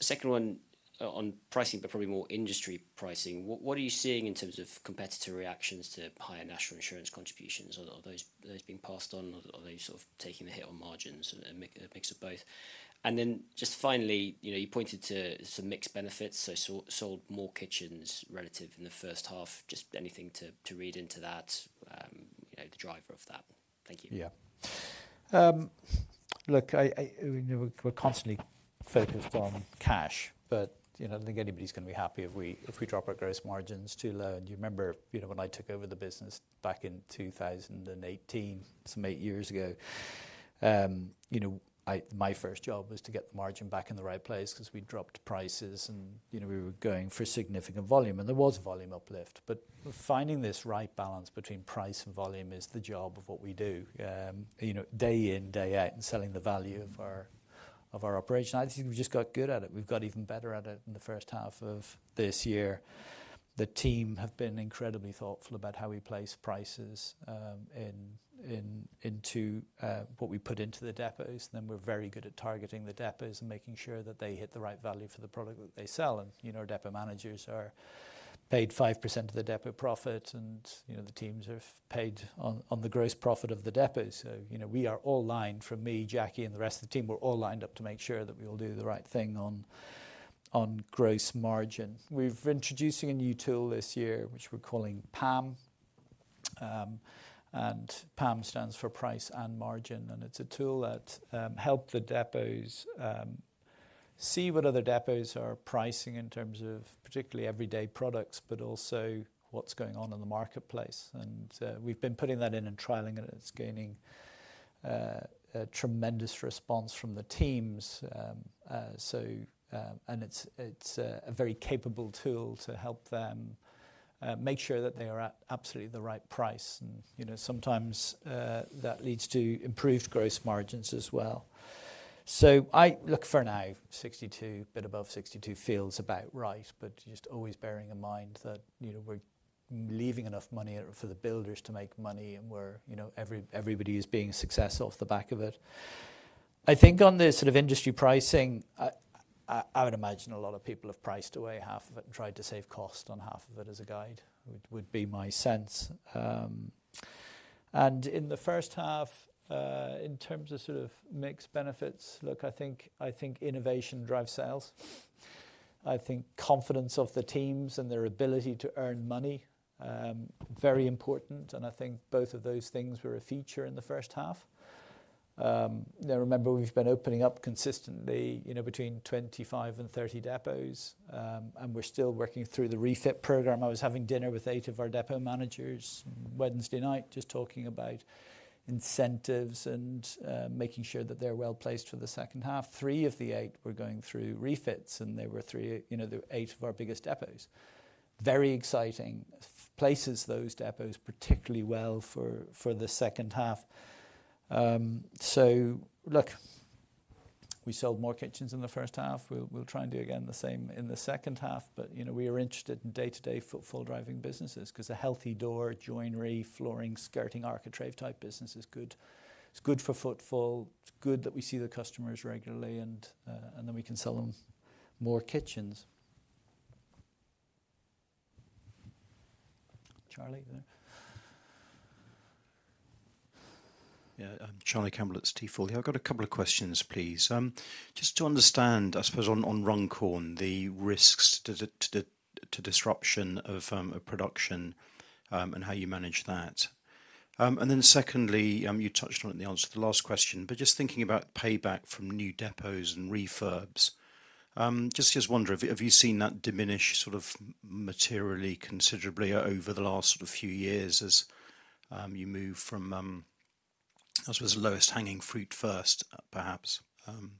Second one on pricing, but probably more industry pricing. What are you seeing in terms of competitor reactions to higher National Insurance contributions? Are those being passed on or are they sort of taking the hit on margins and mix of both? And then just finally, you pointed to some mix benefits, so sold more kitchens relative in the first half, just anything to read into that, the driver of that? Yes. Look, we're constantly focused on cash, but I don't think anybody is going to be happy if we drop our gross margins too low. And you remember when I took over the business back in 2018, some eight years ago, my first job was to get the margin back in the right place because we dropped prices and we were going for significant volume and there was volume uplift. But finding this right balance between price and volume is the job of what we do day in, day out and selling the value of our operation. Think we just got good at it. We've got even better at it in the first half of this year. The team have been incredibly thoughtful about how we place prices into what we put into the depots, then we're very good at targeting the depots and making sure that they hit the right value for the product that they sell. Our depots managers are paid 5% of the depot profit and the teams have paid on the gross profit of the depot. So we are all lined from me, Jackie and the rest of the team, we're all lined up to make sure that we will do the right thing on gross margin. We've been introducing a new tool this year, which we're calling PAM. And PAM stands for price and margin, and it's a tool that help the depots see what other depots are pricing in terms of particularly everyday products, but also what's going on in the marketplace. And we've been putting that in and trialing and it's gaining tremendous response from the teams. So and it's a very capable tool to help them make sure that they are at absolutely the right price. Sometimes that leads to improved gross margins as well. So I look for now 62%, a bit above 62 feels about right, but just always bearing in mind that we're leaving enough money for the builders to make money and where everybody is being successful off the back of it. I think on this sort of industry pricing, I would imagine a lot of people have priced away half of it and tried to save cost on half of it as a guide, would be my sense. And in the first half, in terms of sort of mix benefits, look, I think innovation drives sales. I think confidence of the teams and their ability to earn money, very important. And I think both of those things were a feature in the first half. Remember, we've been opening up consistently between twenty five and thirty depots, and we're still working through the refit program. I was having dinner with eight of our depot managers Wednesday night, just talking about incentives and making sure that they're well placed for the second half. Three of the eight were going through refits and they were three the eight of our biggest depots. Very exciting places those depots particularly well for the second half. So look, we sold more kitchens in the first half. We'll try and do again the same in the second half. But we are interested in day to day footfall driving businesses because a healthy door joinery, flooring, skirting, architrave type business is good. It's good for footfall. It's good that we see the customers regularly and then we can sell them more kitchens. Charlie? Charlie Campbell at Stifel. I've got a couple of questions, please. Just to understand, I suppose, on Runcorn, the risks to disruption of production and how you manage that? And then secondly, you touched on the answer to the last question, but just thinking about payback from new depots and refurbs. Just wonder, have you seen that diminish sort of materially considerably over the last sort of few years as you move from as was lowest hanging fruit first perhaps.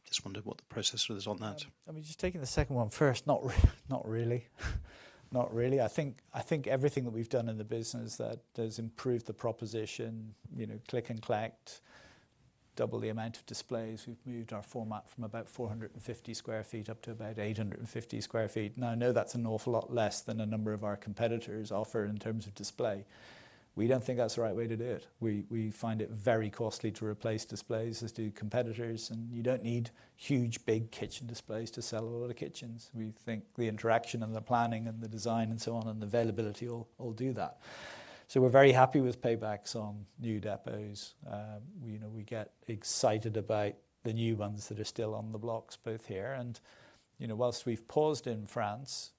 Just wondered what the process was on that? I mean just taking the second one first, not really. Think everything that we've done in the business that does improve the proposition, click and collect, double the amount of displays. We've moved our format from about four fifty square feet up to about eight fifty square feet. And I know that's an awful lot less than a number of our competitors offer in terms of display. We don't think that's the right way to do it. We find it very costly to replace displays as do competitors and you don't need huge big kitchen displays to sell all the kitchens. We think the interaction and the planning and the design and so on and availability will do that. So we're very happy with paybacks on new depots. We get excited about the new ones that are still on the blocks both here and whilst we've paused in France,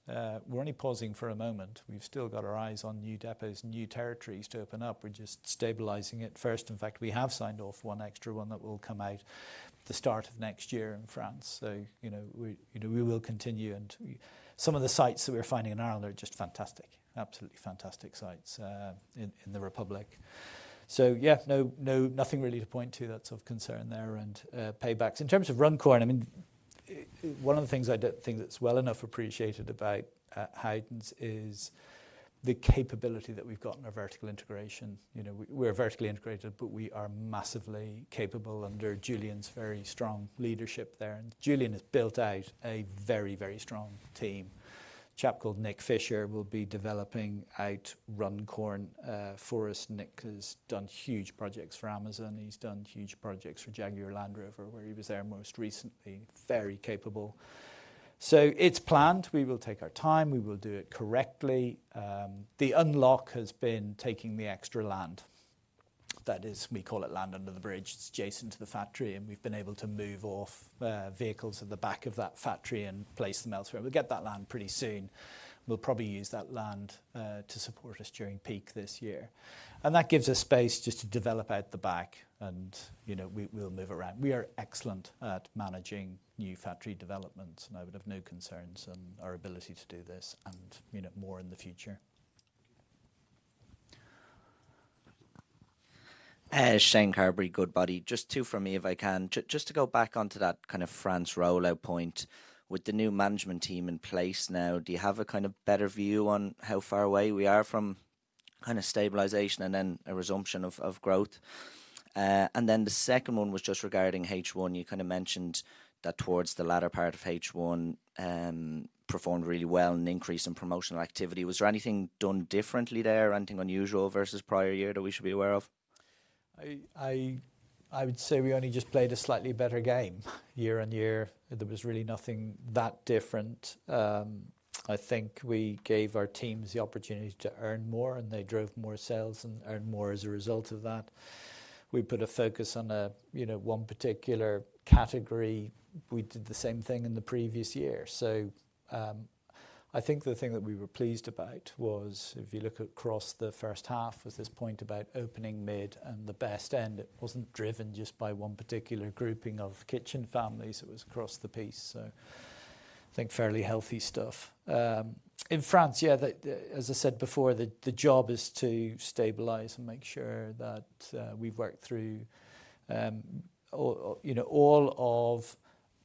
we're only pausing for a moment. We've still got our eyes on new depots, new territories to open up. We're just stabilizing it first. In fact, we have signed off one extra one that will come out at the start of next year in France. So we will continue and some of the sites that we're finding in Ireland are just fantastic, absolutely fantastic sites in The Republic. So yes, no, nothing really to point to that's of concern there and paybacks. In terms of run coin, I mean, one of the things I don't think that's well enough appreciated about Hayden's is the capability that we've got in our vertical integration. We're vertically integrated, but we are massively capable under Julian's very strong leadership there. And Julian has built out a very, very strong team. A chap called Nick Fisher will be developing out Runcorn for us. Nick has done huge projects for Amazon. He's done huge projects for Jaguar Land Rover, where he was there most recently, very capable. So it's planned. We will take our time. We will do it correctly. The unlock has been taking the extra land. That is, we call it, land under the bridge. It's adjacent to the factory, and we've been able to move off vehicles at the back of that factory and place them elsewhere. We'll get that land pretty soon. We'll probably use that land to support us during peak this year. And that gives us space just to develop at the back and we'll move around. We are excellent at managing new factory developments and I would have no concerns on our ability to do this and more in the future. Shane Carberry, Goodbody. Just two for me, if I can. Just to go back on to that kind of France rollout point. With the new management team in place now, do you have a kind of better view on how far away we are from kind of stabilization and then a resumption of growth? And then the second one was just regarding H1, you kind of mentioned that towards the latter part of H1 performed really well and increase in promotional activity. Was there anything done differently there, anything unusual versus prior year that we should be aware of? I would say we only just played a slightly better game year on year. There was really nothing that different. I think we gave our teams the opportunity to earn more and they drove more sales and earn more as a result of that. We put a focus on one particular category. We did the same thing in the previous year. So I think the thing that we were pleased about was if you look across the first half with this point about opening mid and the best end, it wasn't driven just by one particular grouping of kitchen families, it was across the piece. So I think fairly healthy stuff. In France, yes, as I said before, the job is to stabilize and make sure that we've worked through all of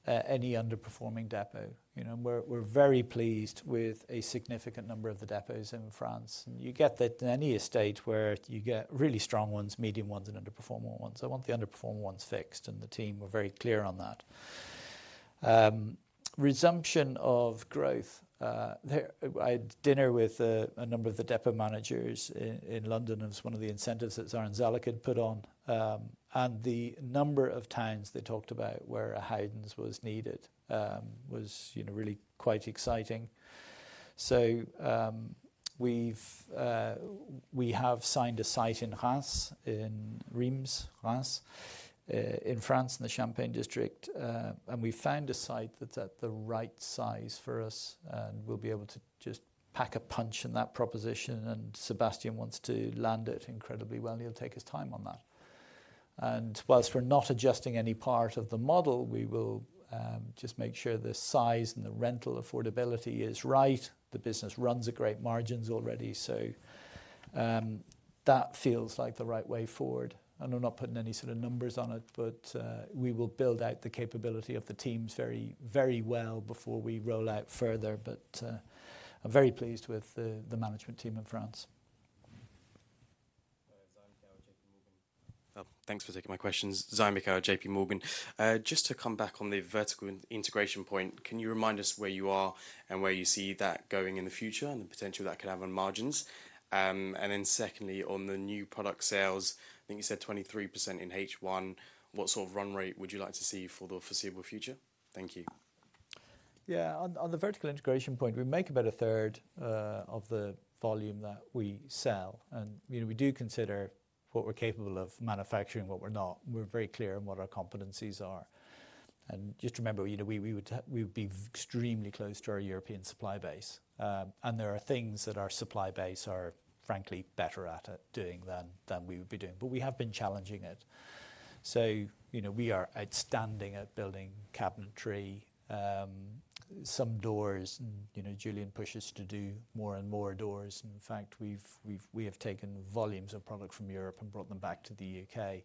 any underperforming depot. We're very pleased with a significant number of the depots in France. You get that in any estate where you get really strong ones, medium ones and underperformer ones. I want the underperformer ones fixed and the team were very clear on that. Resumption of growth, I had dinner with a number of the depot managers in London as one of the incentives that Zarendzala could put on. And the number of times they talked about where Haidens was needed was really quite exciting. So we've we have signed a site in France Rimes, France France in the Champagne District. And we found a site that's at the right size for us and we'll be able to just pack a punch in that proposition and Sebastian wants to land it incredibly well, he'll take his time on that. And whilst we're not adjusting any part of the model, we will just make sure the size and the rental affordability is right. The business runs a great margins already. So that feels like the right way forward. I'm not putting any sort of numbers on it, but we will build out the capability of the teams very, very well before we roll out further, but I'm very pleased with the management team in France. For taking my questions. Zaim Mika with JPMorgan. Just to come back on the vertical integration point. Can you remind us where you are and where you see that going in the future and the potential that could have on margins? And then secondly, on the new product sales, I think you said 23% in H1. What sort of run rate would you like to see for the foreseeable future? Yes. On the vertical integration point, we make about onethree of the volume that we sell. And we do consider what we're capable of manufacturing, what we're not. We're very clear on what our competencies are. And just remember, we would be extremely close to our European supply base. And there are things that our supply base are, frankly better at doing than we would be doing, but we have been challenging it. So we are outstanding at building cabinetry, some doors, Julian pushes to do more and more doors. In fact, we have taken volumes of product from Europe and brought them back to The UK.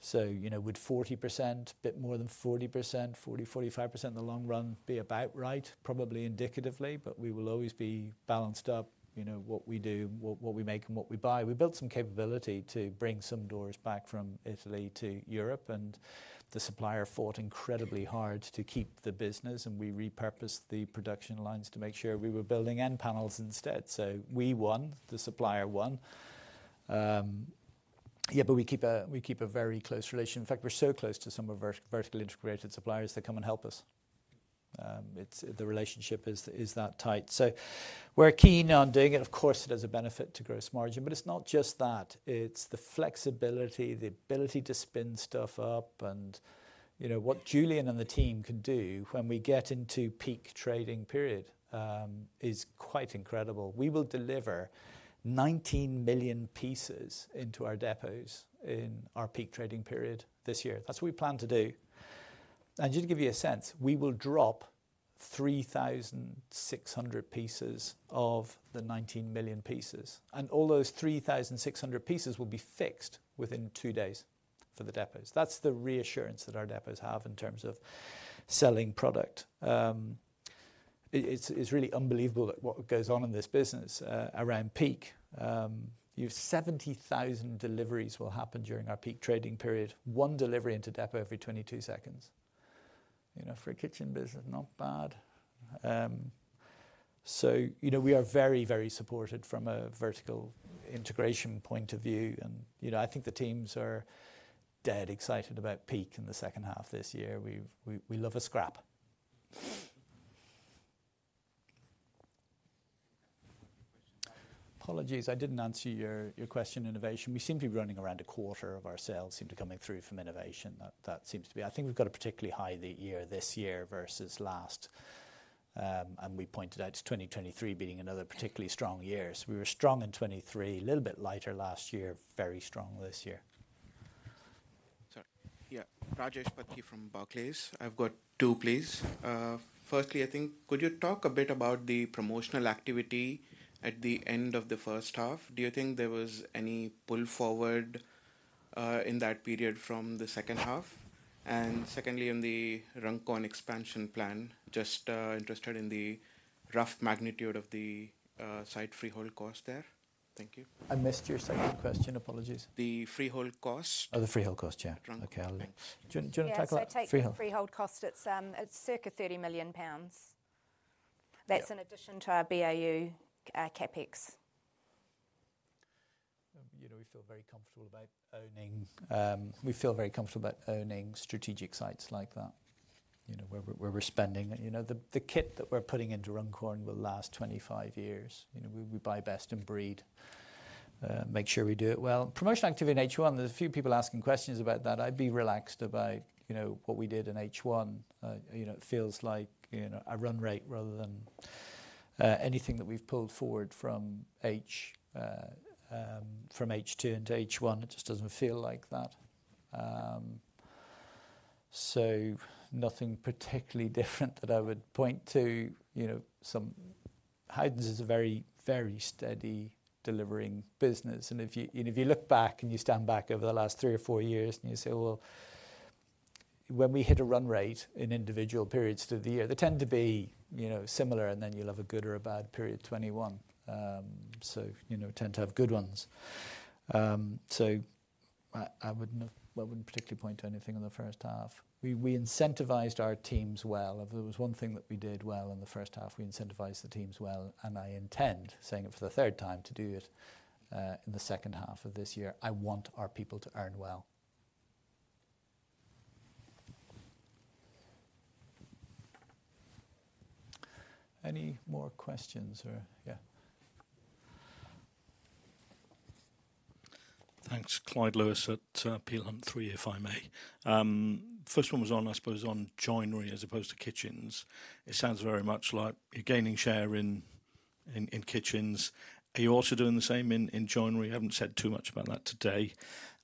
So with 40%, a bit more than 40%, 40%, 45% in the long run be about right, probably indicatively, but we will always be balanced up what we do, what we make and what we buy. We built some capability to bring some doors back from Italy to Europe. And the supplier fought incredibly hard to keep the business, and we repurposed the production lines to make sure we were building end panels instead. So we won, the supplier won. Yes, but we keep a very close relation. In fact, we're so close to some of our vertical integrated suppliers that come and help us. It's the relationship is that tight. So we're keen on doing it. Of course, it has a benefit to gross margin. But it's not just that, it's the flexibility, the ability to spin stuff up. And what Julian and the team can do when we get into peak trading period is quite incredible. We will deliver 19,000,000 pieces into our depots in our peak trading period this year. That's what we plan to do. And just to give you a sense, we will drop 3,600 pieces of the 19,000,000 pieces. And all those 3,600 pieces will be fixed within two days for the depots. That's the reassurance that our depots have in terms of selling product. It's really unbelievable what goes on in this business around peak. 70,000 deliveries will happen during our peak trading period, one delivery into depot every twenty two seconds. For kitchen business, not bad. So we are very, very supported from a vertical integration point of view. And I think the teams are dead excited about peak in the second half this year. We love a scrap. Apologies, I didn't answer your question on innovation. We seem to be running around onefour of our sales into coming through from innovation. That seems to be I think we've got a particularly high the year this year versus last. And we pointed out 2023 being another particularly strong year. So we were strong in 'twenty three, a little bit lighter last year, very strong this year. Rajesh Bhatthi from Barclays. I've got two, please. Firstly, I think could you talk a bit about the promotional activity at the end of the first half? Do you think there was any pull forward in that period from the second half? And secondly, on the Rankon expansion plan, just interested in the rough magnitude of the site freehold cost there. Thank you. I missed your second question, apologies. The freehold cost? Oh, the freehold cost, yes. Okay. Take the freehold cost, it's circa 30,000,000 pounds. That's in addition to our BAU CapEx. We feel very comfortable about owning we feel very comfortable about owning strategic sites like that, where we're spending. The kit that we're putting into Runcorn will last twenty five years. We buy best in breed, make sure we do it well. Promotional activity in H1, there's few people asking questions about that. I'd be relaxed about what we did in H1. It feels like a run rate rather than anything that we've pulled forward from H2 into H1. It just doesn't feel like that. So nothing particularly different that I would point to some Haidens is a very, very steady delivering business. And if you look back and you stand back over the last three or four years, and you say, well, when we hit a run rate in individual periods to the year, they tend to be similar and then you'll have a good or a bad period 'twenty one. So tend to have good ones. So I wouldn't particularly point to anything in the first half. We incentivized our teams well. If there was one thing that we did well in the first half, we incentivize the teams well and I intend, saying it for the third time, to do it in the second half of this year. I want our people to earn well. Any more questions? Clyde Lewis at Peel Hunt three, if I may. First one was on, I suppose, on joinery as opposed to kitchens. It sounds very much like you're gaining share in kitchens. Are you also doing the same in joinery? You haven't said too much about that today.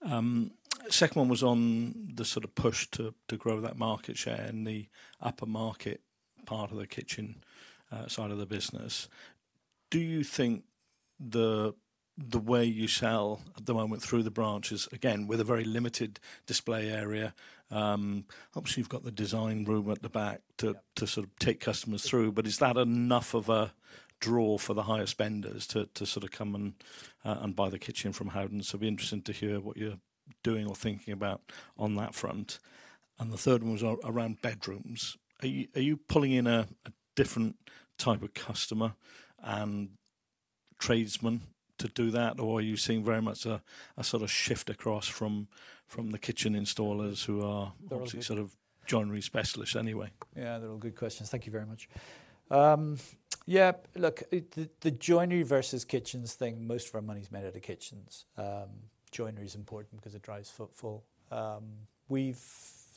Second one was on the sort of push to grow that market share in the upper market part of the kitchen side of the business. Do you think the way you sell at the moment through the branches, again, with a very limited display area, obviously, you've got the design room at the back to sort of take customers through. But is that enough of a draw for the highest spenders to sort of come and buy the kitchen from Houdon? I'd interested to hear what you're doing or thinking about on that front. And the third one was around bedrooms. Are you pulling in a different type of customer and tradesman to do that? Or are you seeing very much a sort of shift across from the kitchen installers who are sort of joinery specialists anyway? Yes, they're all good questions. Thank you very much. Yes, look, the joinery versus kitchens thing, most of our money is made out of kitchens. Joinery is important because it drives footfall. We've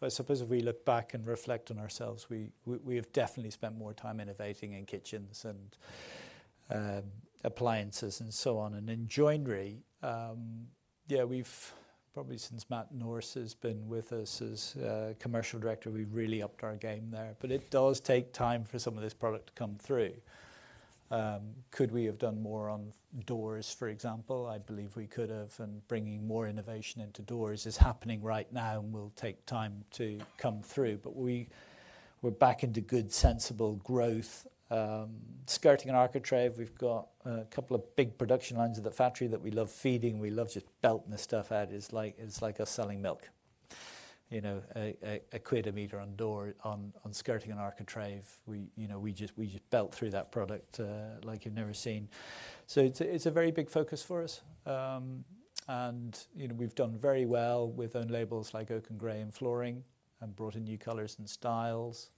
I suppose if we look back and reflect on ourselves, we have definitely spent more time innovating in kitchens and appliances and so on. And in joinery, yes, we've probably since Matt Norris has been with us as Commercial Director, we've really upped our game there. But it does take time for some of this product to come through. Could we have done more on doors, for example? I believe we could have and bringing more innovation into doors is happening right now and will take time to come through. But we're back into good sensible growth. Skirting and Archertrave, we've got a couple of big production lines at the factory that we love feeding. We love just belting the stuff out. It's like us selling milk. A quid a meter on door on Skirting and Archertrave, We just built through that product like you've never seen. So it's a very big focus for us. And we've done very well with own labels like oak and gray and flooring and brought in new colors and styles.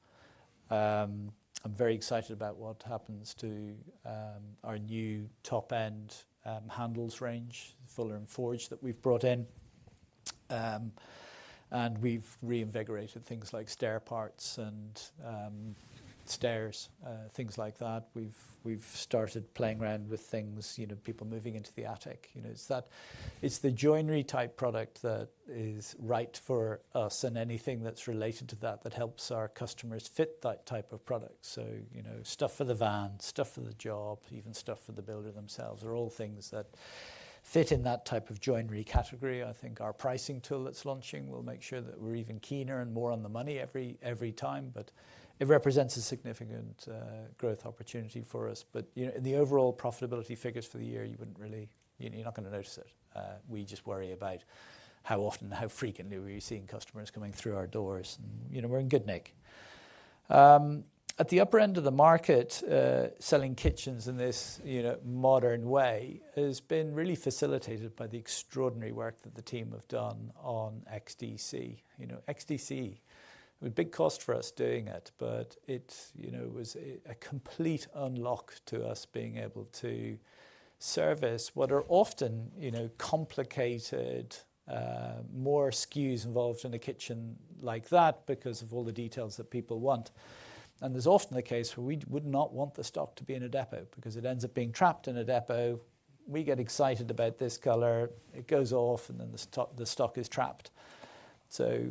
I'm very excited about what happens to our new top end handles range, Fuller and Forge that we've brought in. And we've reinvigorated things like stair parts and stairs, things like that. We've started playing around with things, people moving into the attic. It's the joinery type product that is right for us and anything that's related to that, that helps our customers fit that type So stuff for the van, stuff for the job, even stuff for the builder themselves are all things that fit in that type of joinery category. I think our pricing tool that's launching will make sure that we're even keener and more on the money every time, but it represents a significant growth opportunity for us. But in the overall profitability figures for the year, you wouldn't really you're not going to notice it. We just worry about how often, how frequently we're seeing customers coming through our doors. We're in good nick. At the upper end of the market, selling kitchens in this modern way has been really facilitated by the extraordinary work that the team have done on XDC. XDC, a big cost for us doing it, but it was a complete unlock to us being able to service what are often complicated, more SKUs involved in the kitchen like that because of all the details that people want. And there's often the case where we would not want the stock to be in a depot because it ends up being trapped in a depot. We get excited about this color, it goes off and then the stock is trapped. So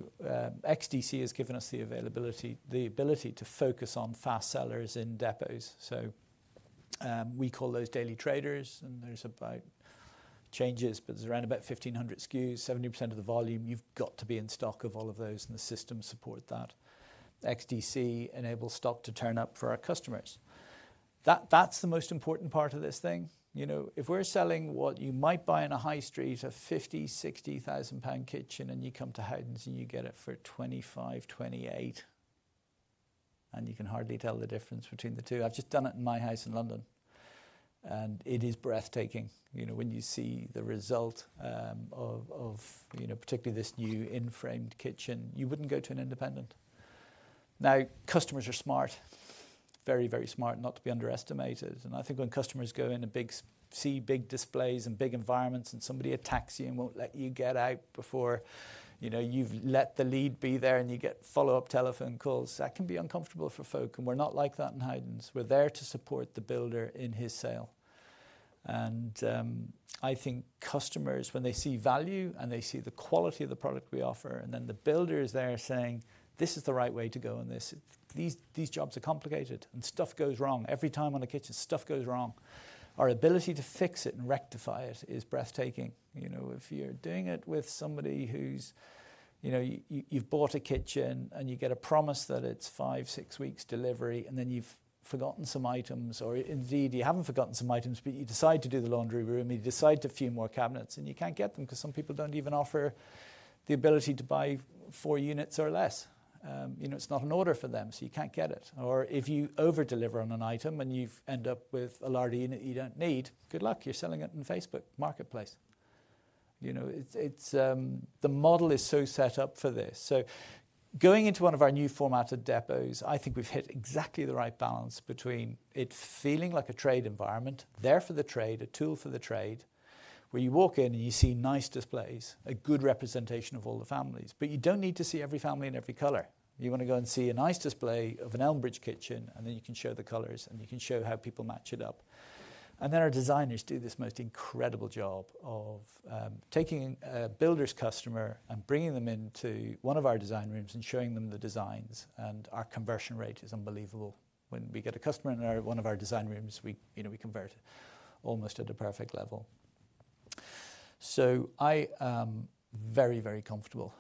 XDC has given us the availability the ability to focus on fast sellers in depots. So we call those daily traders and there's about changes, but it's around about 1,500 SKUs, 70% of the volume, you've got to be in stock of all of those and the system support that. XDC enable stock to turn up for our customers. That's the most important part of this thing. If we're selling what you might buy in a high street of £50,000 £60,000 kitchen and you come to Houdon's and you get it for 53,000 and you can hardly tell the difference between the two. I've just done it in my house in London. And it is breathtaking when you see the result of particularly this new in framed kitchen, you wouldn't go to an independent. Now customers are smart, very, very smart, not to be underestimated. And I think when customers go in a big see big displays and big environments and somebody attacks you and won't let you get out before you've let the lead be there and you get follow-up telephone calls, that can be uncomfortable for folk. And we're not like that in Haidens. We're there to support the builder in his sale. And I think customers, when they see value and they see the quality of the product we offer, and then the builders there saying, this is the right way to go in this. These jobs are complicated and stuff goes wrong. Every time on a kitchen, stuff goes wrong. Our ability to fix it and rectify it is breathtaking. If you're doing it with somebody who's you've bought a kitchen and you get a promise that it's five, six weeks delivery and then you've forgotten some items or indeed you haven't forgotten some items, you decide to do the laundry room, you decide a few more cabinets and you can't get them because some people don't even offer the ability to buy four units or less. It's not an order for them, so you can't get it. Or if you over deliver on an item and you've end up with a large unit you don't need, good luck, you're selling it in Facebook marketplace. It's the model is so set up for this. So going into one of our new format of depots, I think we've hit exactly the right balance between it feeling like a trade environment, therefore the trade, a tool for the trade, where you walk in and you see nice displays, a good representation of all the families. But you don't need to see every family in every color. You want to go and see a nice display of an Elmbridge kitchen, and then you can show the colors, and you can show how people match it up. And then our designers do this most incredible job of taking a builder's customer and bringing them into one of our design rooms and showing them the designs. And our conversion rate is unbelievable. When we get a customer in one of our design rooms, we convert almost at a perfect level. So I am very, very comfortable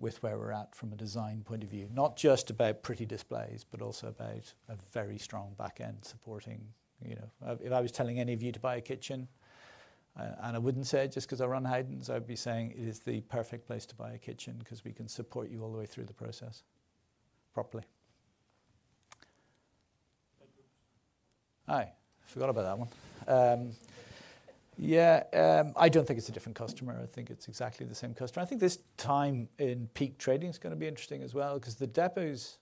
with where we're at from a design point of view, not just about pretty displays, but also about a very strong back end supporting. If I was telling any of you to buy a kitchen, and I wouldn't say just because I run Heidens, I'd be saying it is the perfect place to buy kitchen because we can support you all the way through the process properly. Forgot about that one. Yes, I don't think it's a different customer. I think it's exactly the same customer. I think this time in peak trading is going to be interesting as well because the depots,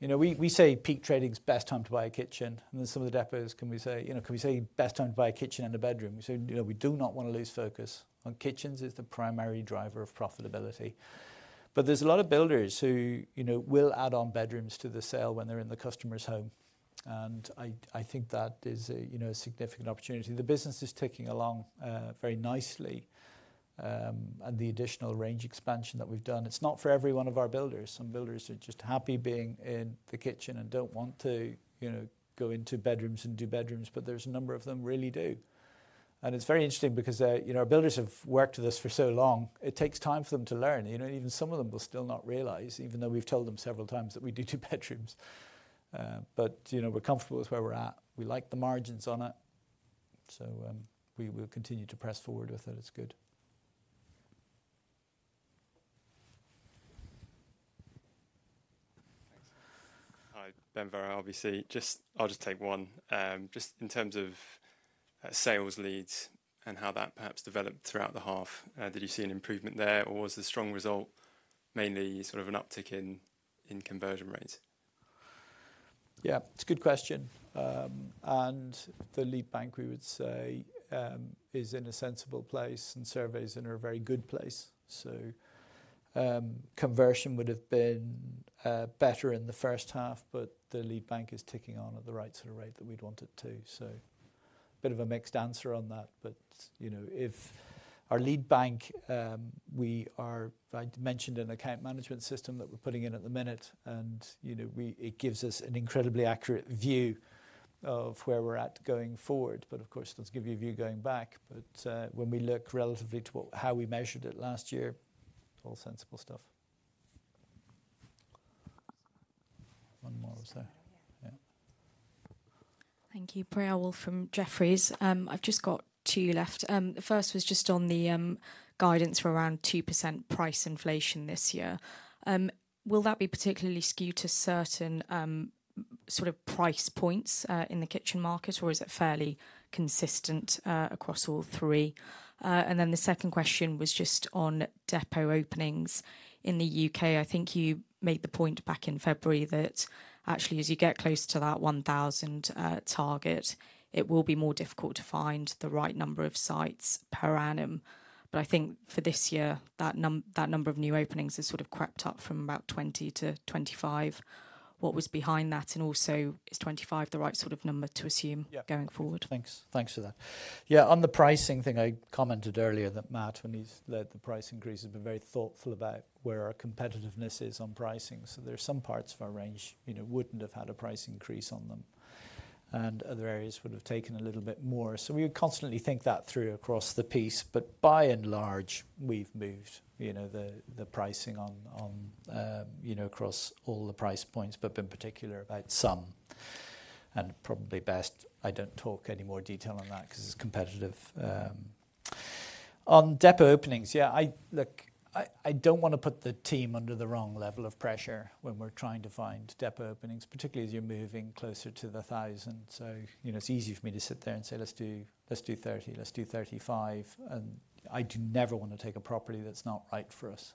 we say peak trading is best time to buy a kitchen and then some of the depots can we say best time to buy a kitchen and a bedroom. So we do not want to lose focus on kitchens is the primary driver of profitability. But there's a lot of builders who will add on bedrooms to the sale when they're in the customer's home. And I think that is a significant opportunity. The business is ticking along very nicely. And the additional range expansion that we've done. It's not for every one of our builders. Some builders are just happy being in the kitchen and don't want to go into bedrooms and do bedrooms, but there's a number of them really do. And it's very interesting because our builders have worked with us for so long. It takes time for them to learn. Even some of them will still not realize, even though we've told them several times that we do two bedrooms. But we're comfortable with where we're at. We like the margins on it. So we will continue to press forward with it. It's good. Ben Vara, RBC. Just I'll just take one. Just in terms of sales leads and how that perhaps developed throughout the half, did you see an improvement there? Or was the strong result mainly sort of an uptick in conversion rates? Yes, it's a good question. And the lead bank, we would say, is in a sensible place and surveys in a very good place. So conversion would have been better in the first half, but the lead bank is ticking on at the right sort of rate that we'd want it to. So bit of a mixed answer on that. But if our lead bank, we are I mentioned an account management system that we're putting in at the minute and it gives us an incredibly accurate view of where we're at going forward. But of course, let's give you a view going back. But when we look relatively to how we measured it last year, all sensible stuff. You. Priya Wool from Jefferies. I've just got two left. The first was just on the guidance for around 2% price inflation this year. Will that be particularly skewed to certain sort of price points in the Kitchen market? Or is it fairly consistent across all three? And then the second question was just on depot openings in The UK. I think you made the point back in February that actually as you get close to that 1,000 target, it will be more difficult to find the right number of sites per annum. But I think for this year, that number of new openings has sort of crept up from about 20 to 25. What was behind that? And also, is 25 the right sort of number to assume Yes. Going On the pricing thing, commented earlier that Matt, when he's led the price increase, he's been very thoughtful about where our competitiveness is on pricing. So there are some parts of our range wouldn't have had a price increase on them. And other areas would have taken a little bit more. So we constantly think that through across the piece. But by and large, we've moved the pricing on across all the price points, but in particular about some. And probably best, I don't talk any more detail on that because it's competitive. On depot openings, yes, I look, I don't want to put the team under the wrong level of pressure when we're trying to find depot openings, particularly as you're moving closer to the 1,000. So it's easy for me to sit there and say, let's do 30, let's do 35. And I do never want to take a property that's not right for us.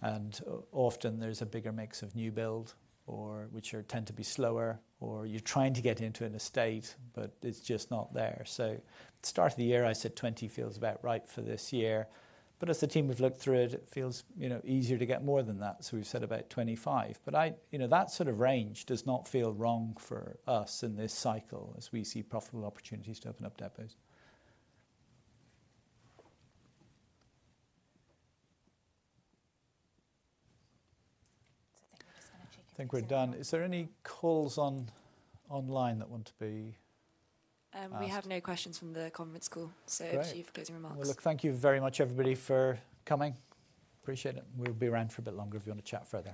And often, there's a bigger mix of newbuild or which are tend to be slower or you're trying to get into an estate, but it's just not there. So at the start of the year, said 'twenty feels about right for this year. But as the team have looked through it, it feels easier to get more than that. So we've said about 25%. But I that sort of range does not feel wrong for us in this cycle as we see profitable opportunities to open up depots. I think we're done. Is there any calls online that want to be We have no questions from the conference call. Thank Well, you for closing thank you very much, everybody, for coming. Appreciate it. We'll be around for a bit longer if you want to chat further.